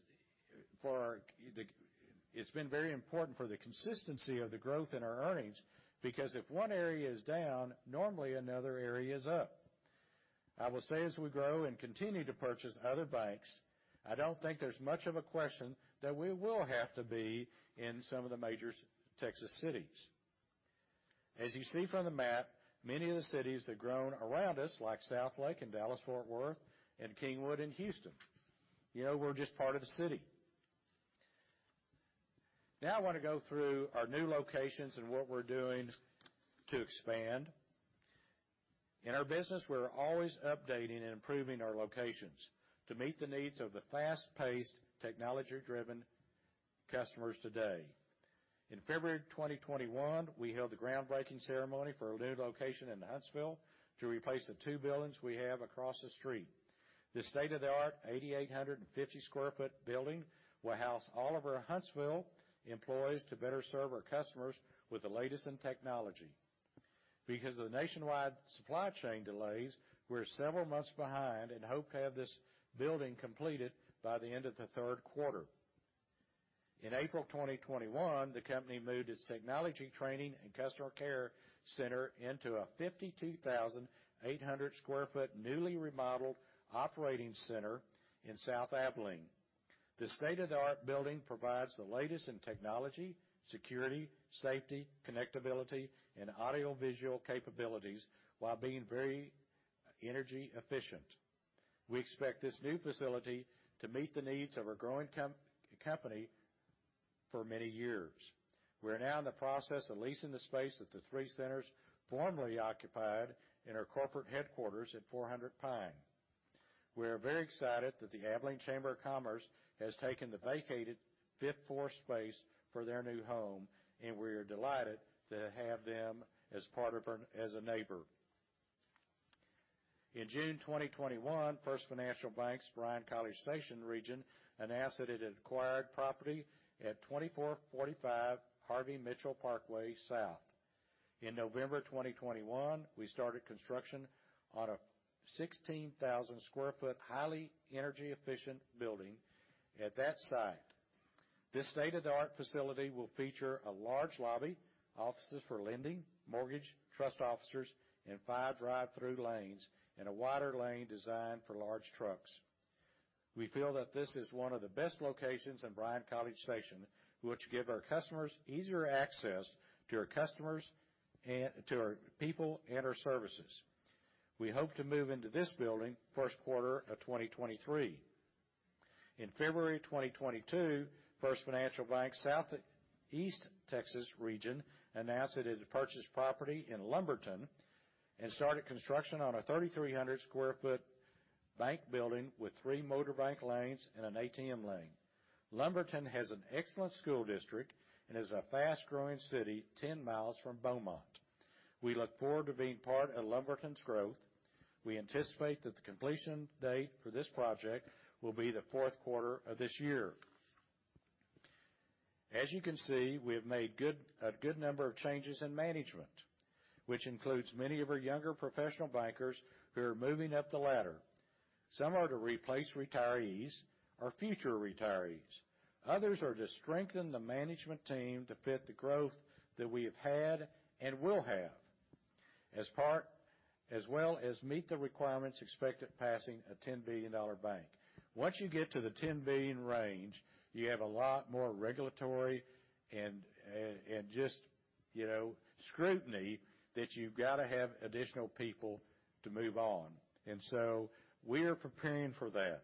been very important for the consistency of the growth in our earnings, because if one area is down, normally another area is up. I will say, as we grow and continue to purchase other banks, I don't think there's much of a question that we will have to be in some of the major Texas cities. As you see from the map, many of the cities have grown around us, like Southlake and Dallas-Fort Worth and Kingwood and Houston. You know, we're just part of the city. Now I wanna go through our new locations and what we're doing to expand. In our business, we're always updating and improving our locations to meet the needs of the fast-paced, technology-driven customers today. In February 2021, we held a groundbreaking ceremony for a new location in Huntsville to replace the two buildings we have across the street. This state-of-the-art 8,850-sq-ft building will house all of our Huntsville employees to better serve our customers with the latest in technology. Because of the nationwide supply chain delays, we're several months behind and hope to have this building completed by the end of the third quarter. In April 2021, the company moved its technology training and customer care center into a 52,800 sq ft, newly remodeled operating center in South Abilene. This state-of-the-art building provides the latest in technology, security, safety, connectivity, and audiovisual capabilities while being very energy efficient. We expect this new facility to meet the needs of our growing company for many years. We are now in the process of leasing the space that the three centers formerly occupied in our corporate headquarters at 400 Pine. We are very excited that the Abilene Chamber of Commerce has taken the vacated fifth floor space for their new home, and we are delighted to have them as a neighbor. In June 2021, First Financial Bank's Bryan/College Station region announced that it had acquired property at 2445 Harvey Mitchell Parkway South. In November 2021, we started construction on a 16,000 sq ft, highly energy-efficient building at that site. This state-of-the-art facility will feature a large lobby, offices for lending, mortgage, trust officers, and five drive-through lanes, and a wider lane designed for large trucks. We feel that this is one of the best locations in Bryan/College Station, which gives our customers easier access to our people and our services. We hope to move into this building first quarter of 2023. In February 2022, First Financial Bank's Southeast Texas Region announced that it had purchased property in Lumberton and started construction on a 3,300-sq-ft bank building with three motor bank lanes and an ATM lane. Lumberton has an excellent school district and is a fast-growing city 10 miles from Beaumont. We look forward to being part of Lumberton's growth. We anticipate that the completion date for this project will be the fourth quarter of this year. As you can see, we have made a good number of changes in management, which includes many of our younger professional bankers who are moving up the ladder. Some are to replace retirees or future retirees. Others are to strengthen the management team to fit the growth that we have had and will have as part as well as meet the requirements expected passing a $10 billion bank. Once you get to the $10 billion range, you have a lot more regulatory and just, you know, scrutiny that you've got to have additional people to move on. We are preparing for that.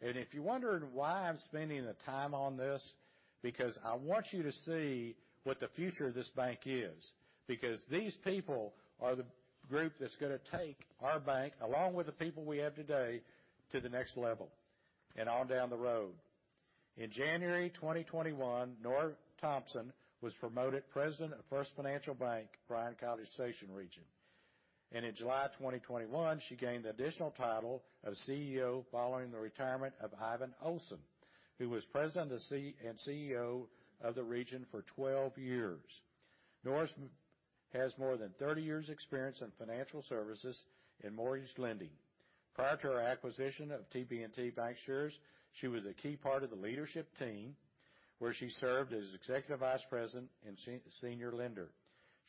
If you're wondering why I'm spending the time on this because I want you to see what the future of this bank is, because these people are the group that's gonna take our bank, along with the people we have today, to the next level and on down the road. In January 2021, Nora Thompson was promoted President of First Financial Bank, Bryan/College Station region. In July 2021, she gained the additional title of CEO following the retirement of Ivan Olsen, who was President and CEO of the region for 12 years. Nora has more than 30 years' experience in financial services and mortgage lending. Prior to our acquisition of TB&T Bancshares, she was a key part of the leadership team where she served as Executive Vice President and Senior Lender.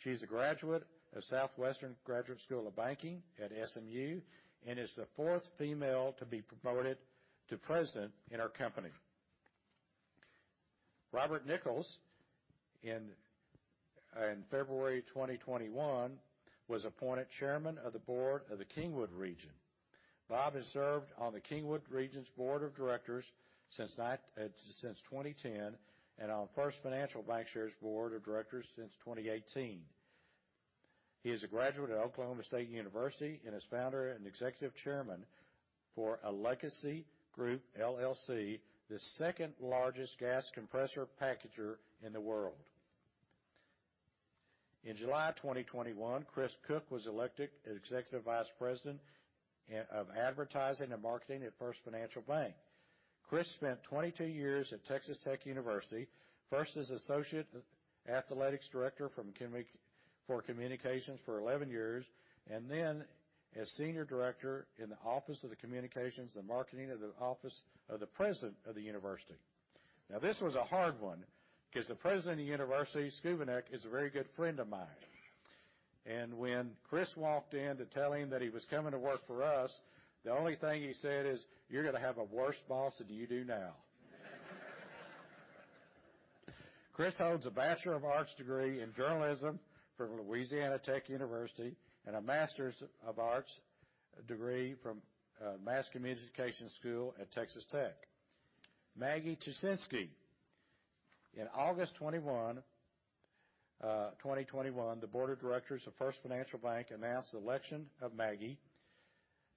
She is a graduate of Southwestern Graduate School of Banking at SMU and is the fourth female to be promoted to President in our company. Robert Nickles, in February 2021, was appointed Chairman of the Board of the Kingwood region. Bob has served on the Kingwood region's board of directors since 2010 and on First Financial Bankshares board of directors since 2018. He is a graduate of Oklahoma State University and is founder and Executive Chairman for Alegacy Group, LLC, the second largest gas compressor packager in the world. In July 2021, Chris Cook was elected Executive Vice President of Advertising and Marketing at First Financial Bank. Chris spent 22 years at Texas Tech University, first as Associate Athletics Director for communications for 11 years, and then as Senior Director in the Office of the Communications and Marketing of the Office of the President of the university. This was a hard one because the President of the university, Schovanec, is a very good friend of mine. When Chris walked in to tell him that he was coming to work for us, the only thing he said is, "You're going to have a worse boss than you do now." Chris holds a Bachelor of Arts degree in Journalism from Louisiana Tech University and a Master of Arts degree from Mass Communication School at Texas Tech. Maggie Tuschinski. In August 21, 2021, the board of directors of First Financial Bank announced the election of Maggie Tuschinski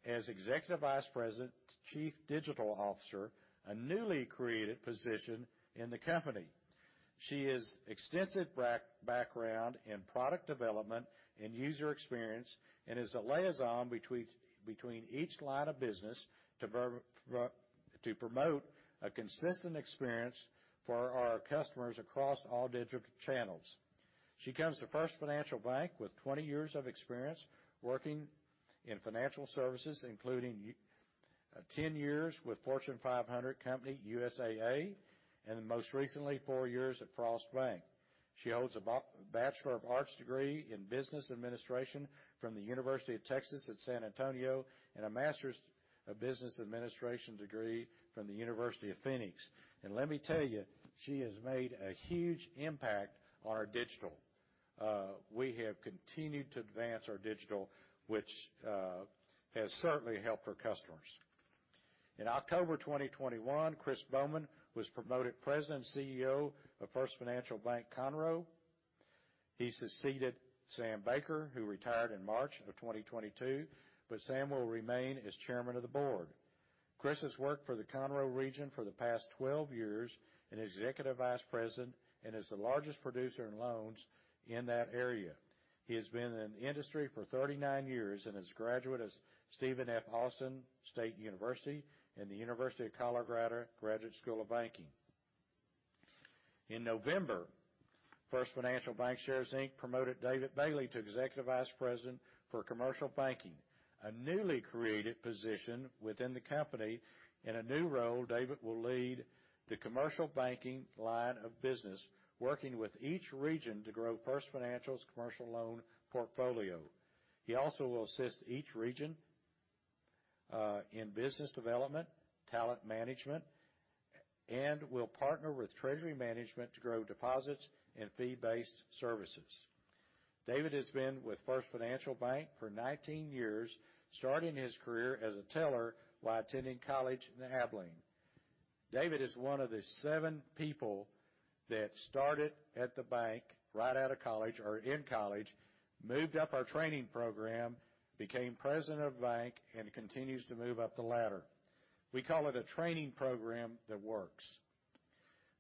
as Executive Vice President, Chief Digital Officer, a newly created position in the company. She has extensive background in product development and user experience and is a liaison between each line of business to promote a consistent experience for our customers across all digital channels. She comes to First Financial Bank with 20 years of experience working in financial services, including 10 years with Fortune 500 company USAA and most recently four years at Frost Bank. She holds a Bachelor of Arts degree in Business Administration from the University of Texas at San Antonio and a Master of Business Administration degree from the University of Phoenix. Let me tell you, she has made a huge impact on our digital. We have continued to advance our digital, which has certainly helped our customers. In October 2021, Chris Baughman was promoted to President and CEO of First Financial Bank Conroe. He succeeded Sam Baker, who retired in March 2022, but Sam will remain as Chairman of the board. Chris has worked for the Conroe region for the past 12 years as Executive Vice President and is the largest producer in loans in that area. He has been in the industry for 39 years and is a graduate of Stephen F. Austin State University and the Graduate School of Banking at Colorado. In November, First Financial Bankshares, Inc. promoted David Bailey to Executive Vice President for Commercial Banking, a newly created position within the company. In a new role, David will lead the commercial banking line of business, working with each region to grow First Financial's commercial loan portfolio. He also will assist each region in business development, talent management, and will partner with treasury management to grow deposits and fee-based services. David has been with First Financial Bank for 19 years, starting his career as a teller while attending college in Abilene. David is one of the seven people that started at the bank right out of college or in college, moved up our training program, became president of the bank, and continues to move up the ladder. We call it a training program that works.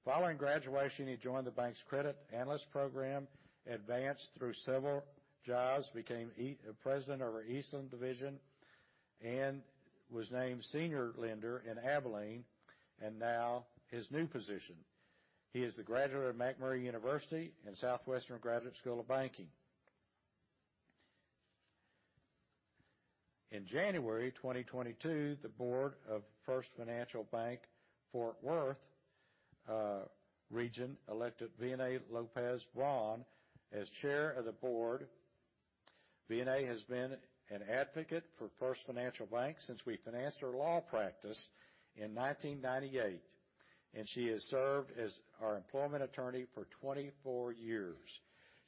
Following graduation, he joined the bank's credit analyst program, advanced through several jobs, became president over Eastland Division, and was named senior lender in Abilene, and now his new position. He is a graduate of McMurry University and Southwestern Graduate School of Banking. In January 2022, the board of First Financial Bank Fort Worth region elected Vianei Lopez Braun as chair of the board. Vianei has been an advocate for First Financial Bank since we financed her law practice in 1998, and she has served as our employment attorney for 24 years.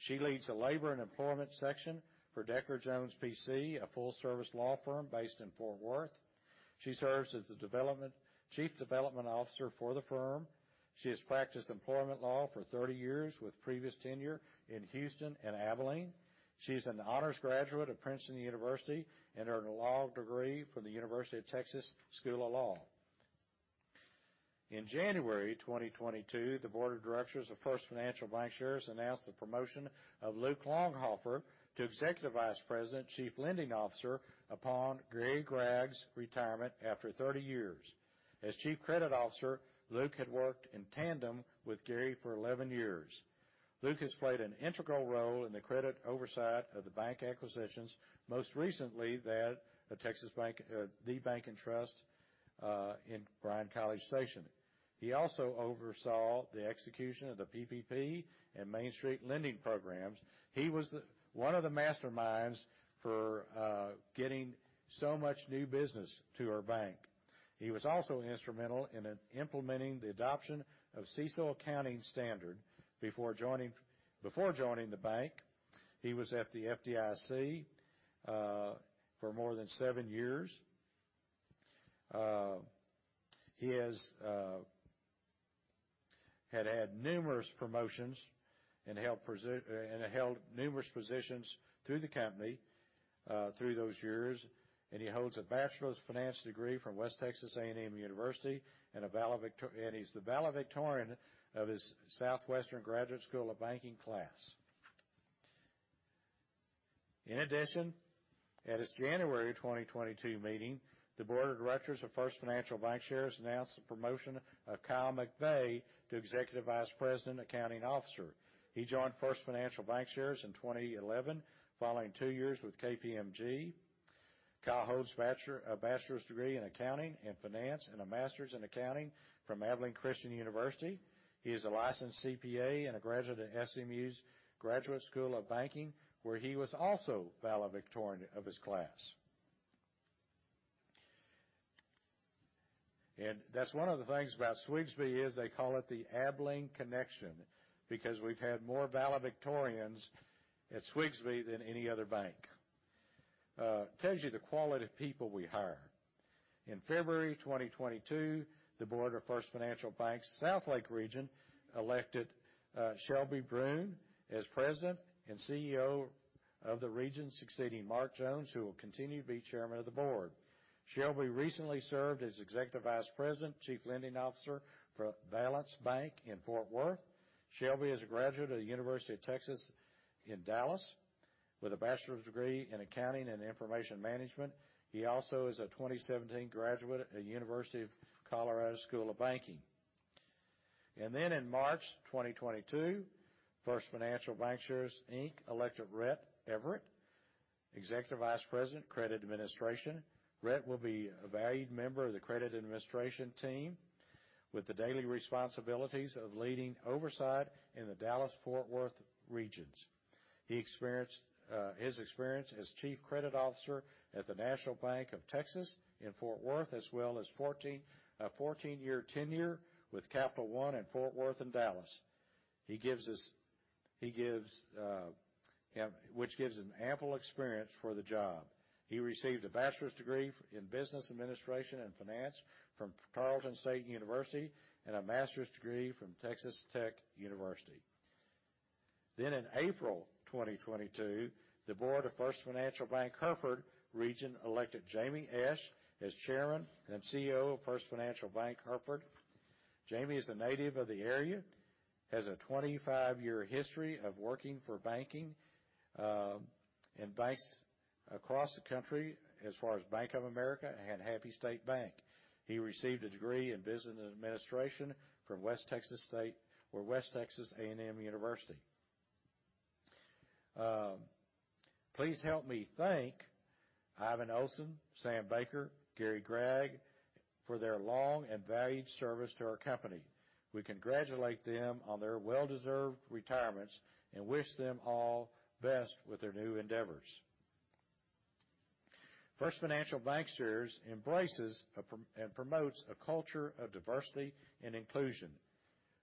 She leads the labor and employment section for Decker Jones, P.C., a full-service law firm based in Fort Worth. She serves as the chief development officer for the firm. She has practiced employment law for 30 years with previous tenure in Houston and Abilene. She is an honors graduate of Princeton University and earned a law degree from the University of Texas School of Law. In January 2022, the board of directors of First Financial Bankshares announced the promotion of Luke Longhofer to Executive Vice President, Chief Lending Officer upon Gary Gragg's retirement after 30 years. As Chief Credit Officer, Luke had worked in tandem with Gary for 11 years. Luke has played an integral role in the credit oversight of the bank acquisitions, most recently that of The Bank & Trust in Bryan/College Station. He also oversaw the execution of the PPP and Main Street lending programs. He was one of the masterminds for getting so much new business to our bank. He was also instrumental in implementing the adoption of CECL accounting standard. Before joining the bank, he was at the FDIC for more than seven years. He has had numerous promotions and held numerous positions through the company through those years, and he holds a bachelor's finance degree from West Texas A&M University and he's the valedictorian of his Southwestern Graduate School of Banking class. In addition, at its January 2022 meeting, the board of directors of First Financial Bankshares announced the promotion of Kyle McVey to Executive Vice President Accounting Officer. He joined First Financial Bankshares in 2011, following two years with KPMG. Kyle holds a bachelor's degree in accounting and finance and a master's in accounting from Abilene Christian University. He is a licensed CPA and a graduate of SMU's Graduate School of Banking, where he was also valedictorian of his class. That's one of the things about SWGSB, is they call it the Abilene Connection, because we've had more valedictorians at SWGSB than any other bank. Tells you the quality of people we hire. In February 2022, the board of First Financial Bank's Southlake region elected Shelby Bruhn as President and CEO of the region, succeeding Mark Jones, who will continue to be Chairman of the board. Shelby recently served as Executive Vice President, Chief Lending Officer for Valliance Bank in Fort Worth. Shelby is a graduate of the University of Texas at Dallas with a bachelor's degree in accounting and information management. He also is a 2017 graduate at Graduate School of Banking at Colorado. In March 2022, First Financial Bankshares, Inc. elected Rett Everett Executive Vice President, Credit Administration. Rett will be a valued member of the credit administration team with the daily responsibilities of leading oversight in the Dallas-Fort Worth regions. His experience as Chief Credit Officer at the National Bank of Texas in Fort Worth, as well as a 14-year tenure with Capital One in Fort Worth and Dallas, which gives him ample experience for the job. He received a bachelor's degree in business administration and finance from Tarleton State University and a master's degree from Texas Tech University. In April 2022, the board of First Financial Bank Hereford Region elected Jamie Esch as Chairman and CEO of First Financial Bank, Hereford. Jamie is a native of the area, has a 25-year history of working in banking and banks across the country as far as Bank of America and Happy State Bank. He received a degree in business administration from West Texas State or West Texas A&M University. Please help me thank Ivan Olsen, Sam Baker, Gary Gragg for their long and valued service to our company. We congratulate them on their well-deserved retirements and wish them all best with their new endeavors. First Financial Bankshares embraces and promotes a culture of diversity and inclusion.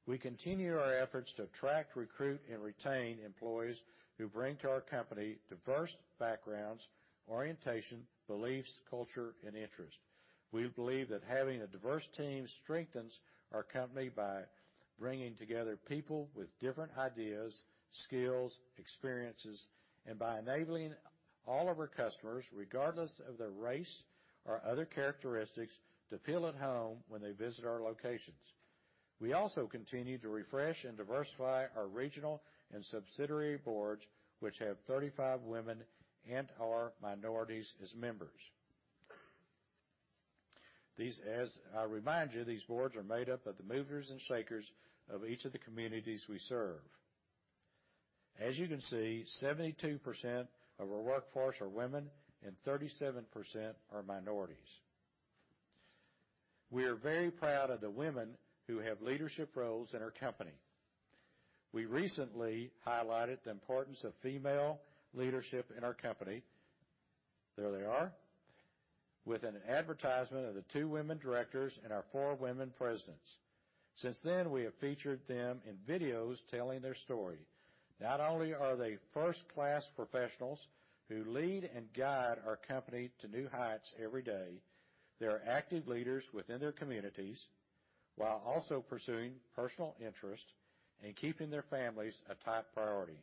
We continue our efforts to attract, recruit, and retain employees who bring to our company diverse backgrounds, orientation, beliefs, culture, and interest. We believe that having a diverse team strengthens our company by bringing together people with different ideas, skills, experiences, and by enabling all of our customers, regardless of their race or other characteristics, to feel at home when they visit our locations. We also continue to refresh and diversify our regional and subsidiary boards, which have 35 women and/or minorities as members. As I remind you, these boards are made up of the movers and shakers of each of the communities we serve. As you can see, 72% of our workforce are women and 37% are minorities. We are very proud of the women who have leadership roles in our company. We recently highlighted the importance of female leadership in our company, there they are, with an advertisement of the two women directors and our four women presidents. Since then, we have featured them in videos telling their story. Not only are they first-class professionals who lead and guide our company to new heights every day, they are active leaders within their communities, while also pursuing personal interests and keeping their families a top priority.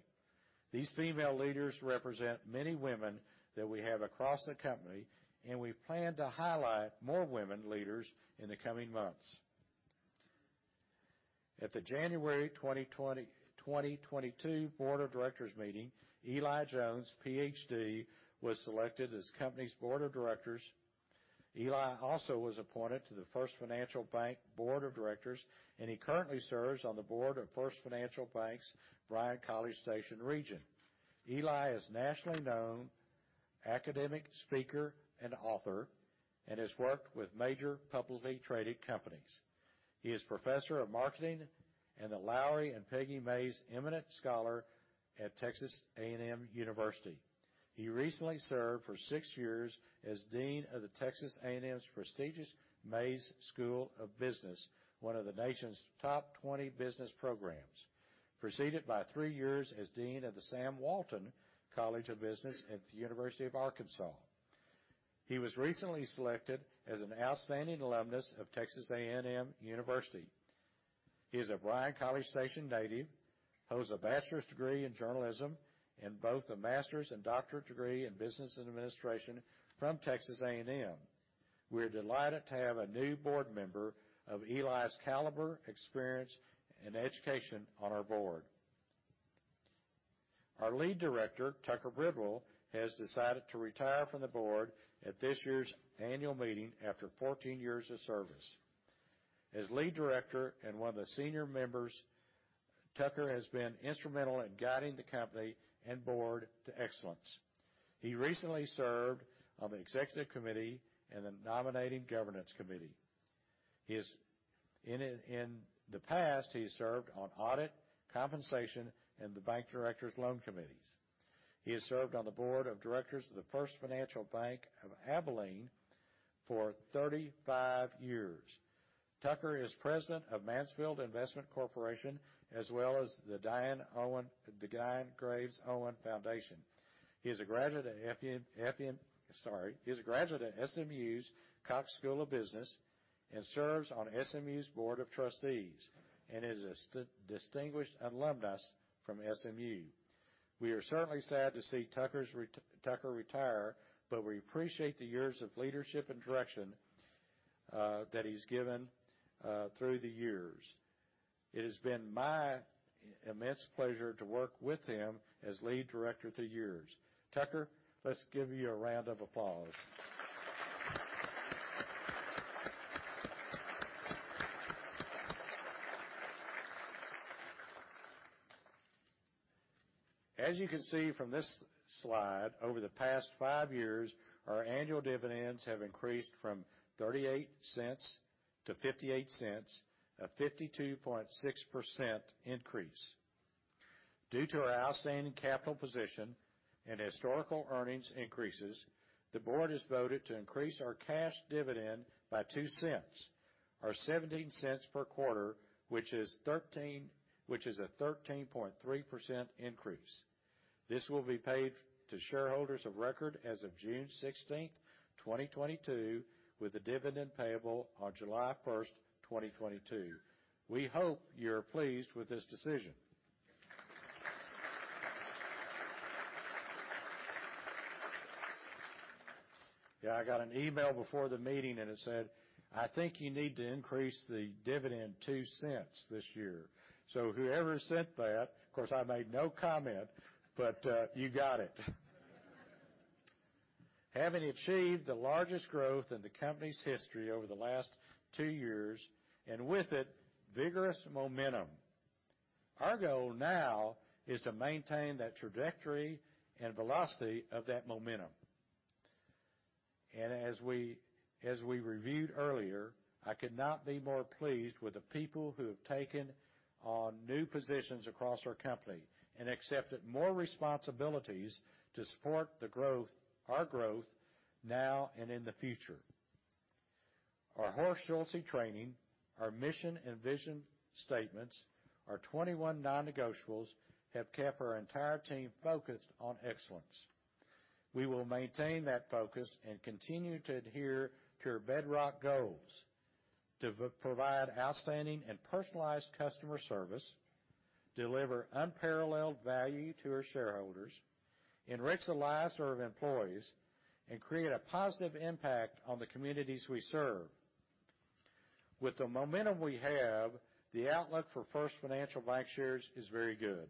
These female leaders represent many women that we have across the company, and we plan to highlight more women leaders in the coming months. At the January 2022 Board of Directors meeting, Eli Jones, PhD, was selected as Company's board of directors. Eli also was appointed to the First Financial Bank Board of Directors, and he currently serves on the board of First Financial Bank's Bryan-College Station region. Eli is nationally known academic speaker and author and has worked with major publicly traded companies. He is Professor of Marketing and a Lowry and Peggy Mays Eminent Scholar at Texas A&M University. He recently served for six years as Dean of the Texas A&M's prestigious Mays School of Business, one of the nation's top 20 business programs, preceded by three years as Dean of the Sam M. Walton College of Business at the University of Arkansas. He was recently selected as an outstanding alumnus of Texas A&M University. He is a Bryan-College Station native, holds a bachelor's degree in journalism and both a master's and doctorate degree in business administration from Texas A&M. We're delighted to have a new board member of Eli's caliber, experience, and education on our board. Our Lead Director, Tucker S. Bridwell, has decided to retire from the board at this year's annual meeting after 14 years of service. As Lead Director and one of the senior members, Tucker has been instrumental in guiding the company and board to excellence. He recently served on the Executive Committee and the Nominating Governance Committee. In the past, he served on Audit, Compensation, and the Bank Directors Loan Committees. He has served on the Board of Directors of the First Financial Bank of Abilene for 35 years. Tucker is President of Mansefeldt Investment Corporation, as well as the Dian Graves Owen Foundation. He is a graduate of SMU's Cox School of Business and serves on SMU's Board of Trustees and is a distinguished alumnus from SMU. We are certainly sad to see Tucker retire, but we appreciate the years of leadership and direction that he's given through the years. It has been my immense pleasure to work with him as Lead Director through the years. Tucker, let's give you a round of applause. As you can see from this slide, over the past five years, our annual dividends have increased from $0.38-$0.58, a 52.6% increase. Due to our outstanding capital position and historical earnings increases, the board has voted to increase our cash dividend by $0.02. Our $0.17 per quarter, which is a 13.3% increase. This will be paid to shareholders of record as of June 16th, 2022, with the dividend payable on July 1st, 2022. We hope you're pleased with this decision. Yeah, I got an email before the meeting and it said, "I think you need to increase the dividend $0.02 this year." Whoever sent that, of course, I made no comment, but you got it. Having achieved the largest growth in the company's history over the last two years, and with it, vigorous momentum, our goal now is to maintain that trajectory and velocity of that momentum. As we reviewed earlier, I could not be more pleased with the people who have taken on new positions across our company and accepted more responsibilities to support the growth, our growth, now and in the future. Our Horst Schulze training, our mission and vision statements, our 21 non-negotiables have kept our entire team focused on excellence. We will maintain that focus and continue to adhere to our bedrock goals. To provide outstanding and personalized customer service, deliver unparalleled value to our shareholders, enrich the lives of our employees, and create a positive impact on the communities we serve. With the momentum we have, the outlook for First Financial Bankshares is very good.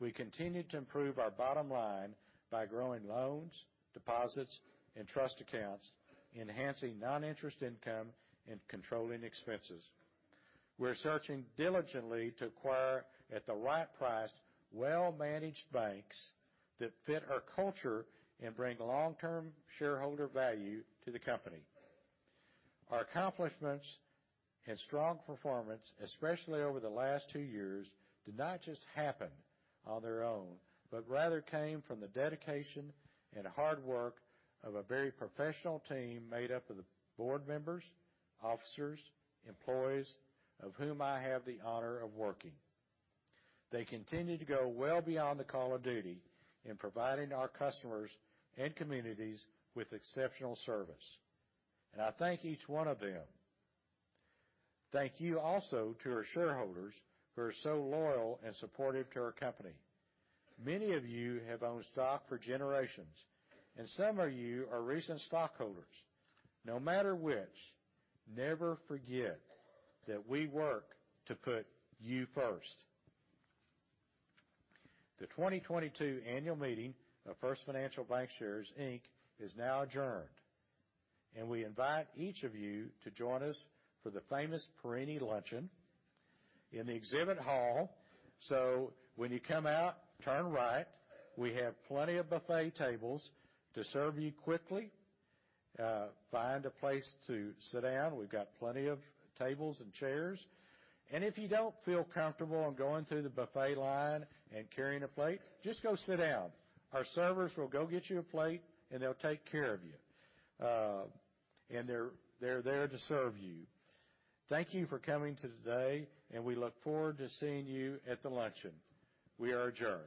We continue to improve our bottom line by growing loans, deposits, and trust accounts, enhancing non-interest income and controlling expenses. We're searching diligently to acquire, at the right price, well-managed banks that fit our culture and bring long-term shareholder value to the company. Our accomplishments and strong performance, especially over the last two years, did not just happen on their own, but rather came from the dedication and hard work of a very professional team made up of the board members, officers, employees, of whom I have the honor of working. They continue to go well beyond the call of duty in providing our customers and communities with exceptional service, and I thank each one of them. Thank you also to our shareholders who are so loyal and supportive to our company. Many of you have owned stock for generations, and some of you are recent stockholders. No matter which, never forget that we work to put you first. The 2022 annual meeting of First Financial Bankshares, Inc. Is now adjourned, and we invite each of you to join us for the famous Perini luncheon in the exhibit hall. When you come out, turn right, we have plenty of buffet tables to serve you quickly. Find a place to sit down. We've got plenty of tables and chairs. If you don't feel comfortable in going through the buffet line and carrying a plate, just go sit down. Our servers will go get you a plate, and they'll take care of you. They're there to serve you. Thank you for coming today, and we look forward to seeing you at the luncheon. We are adjourned.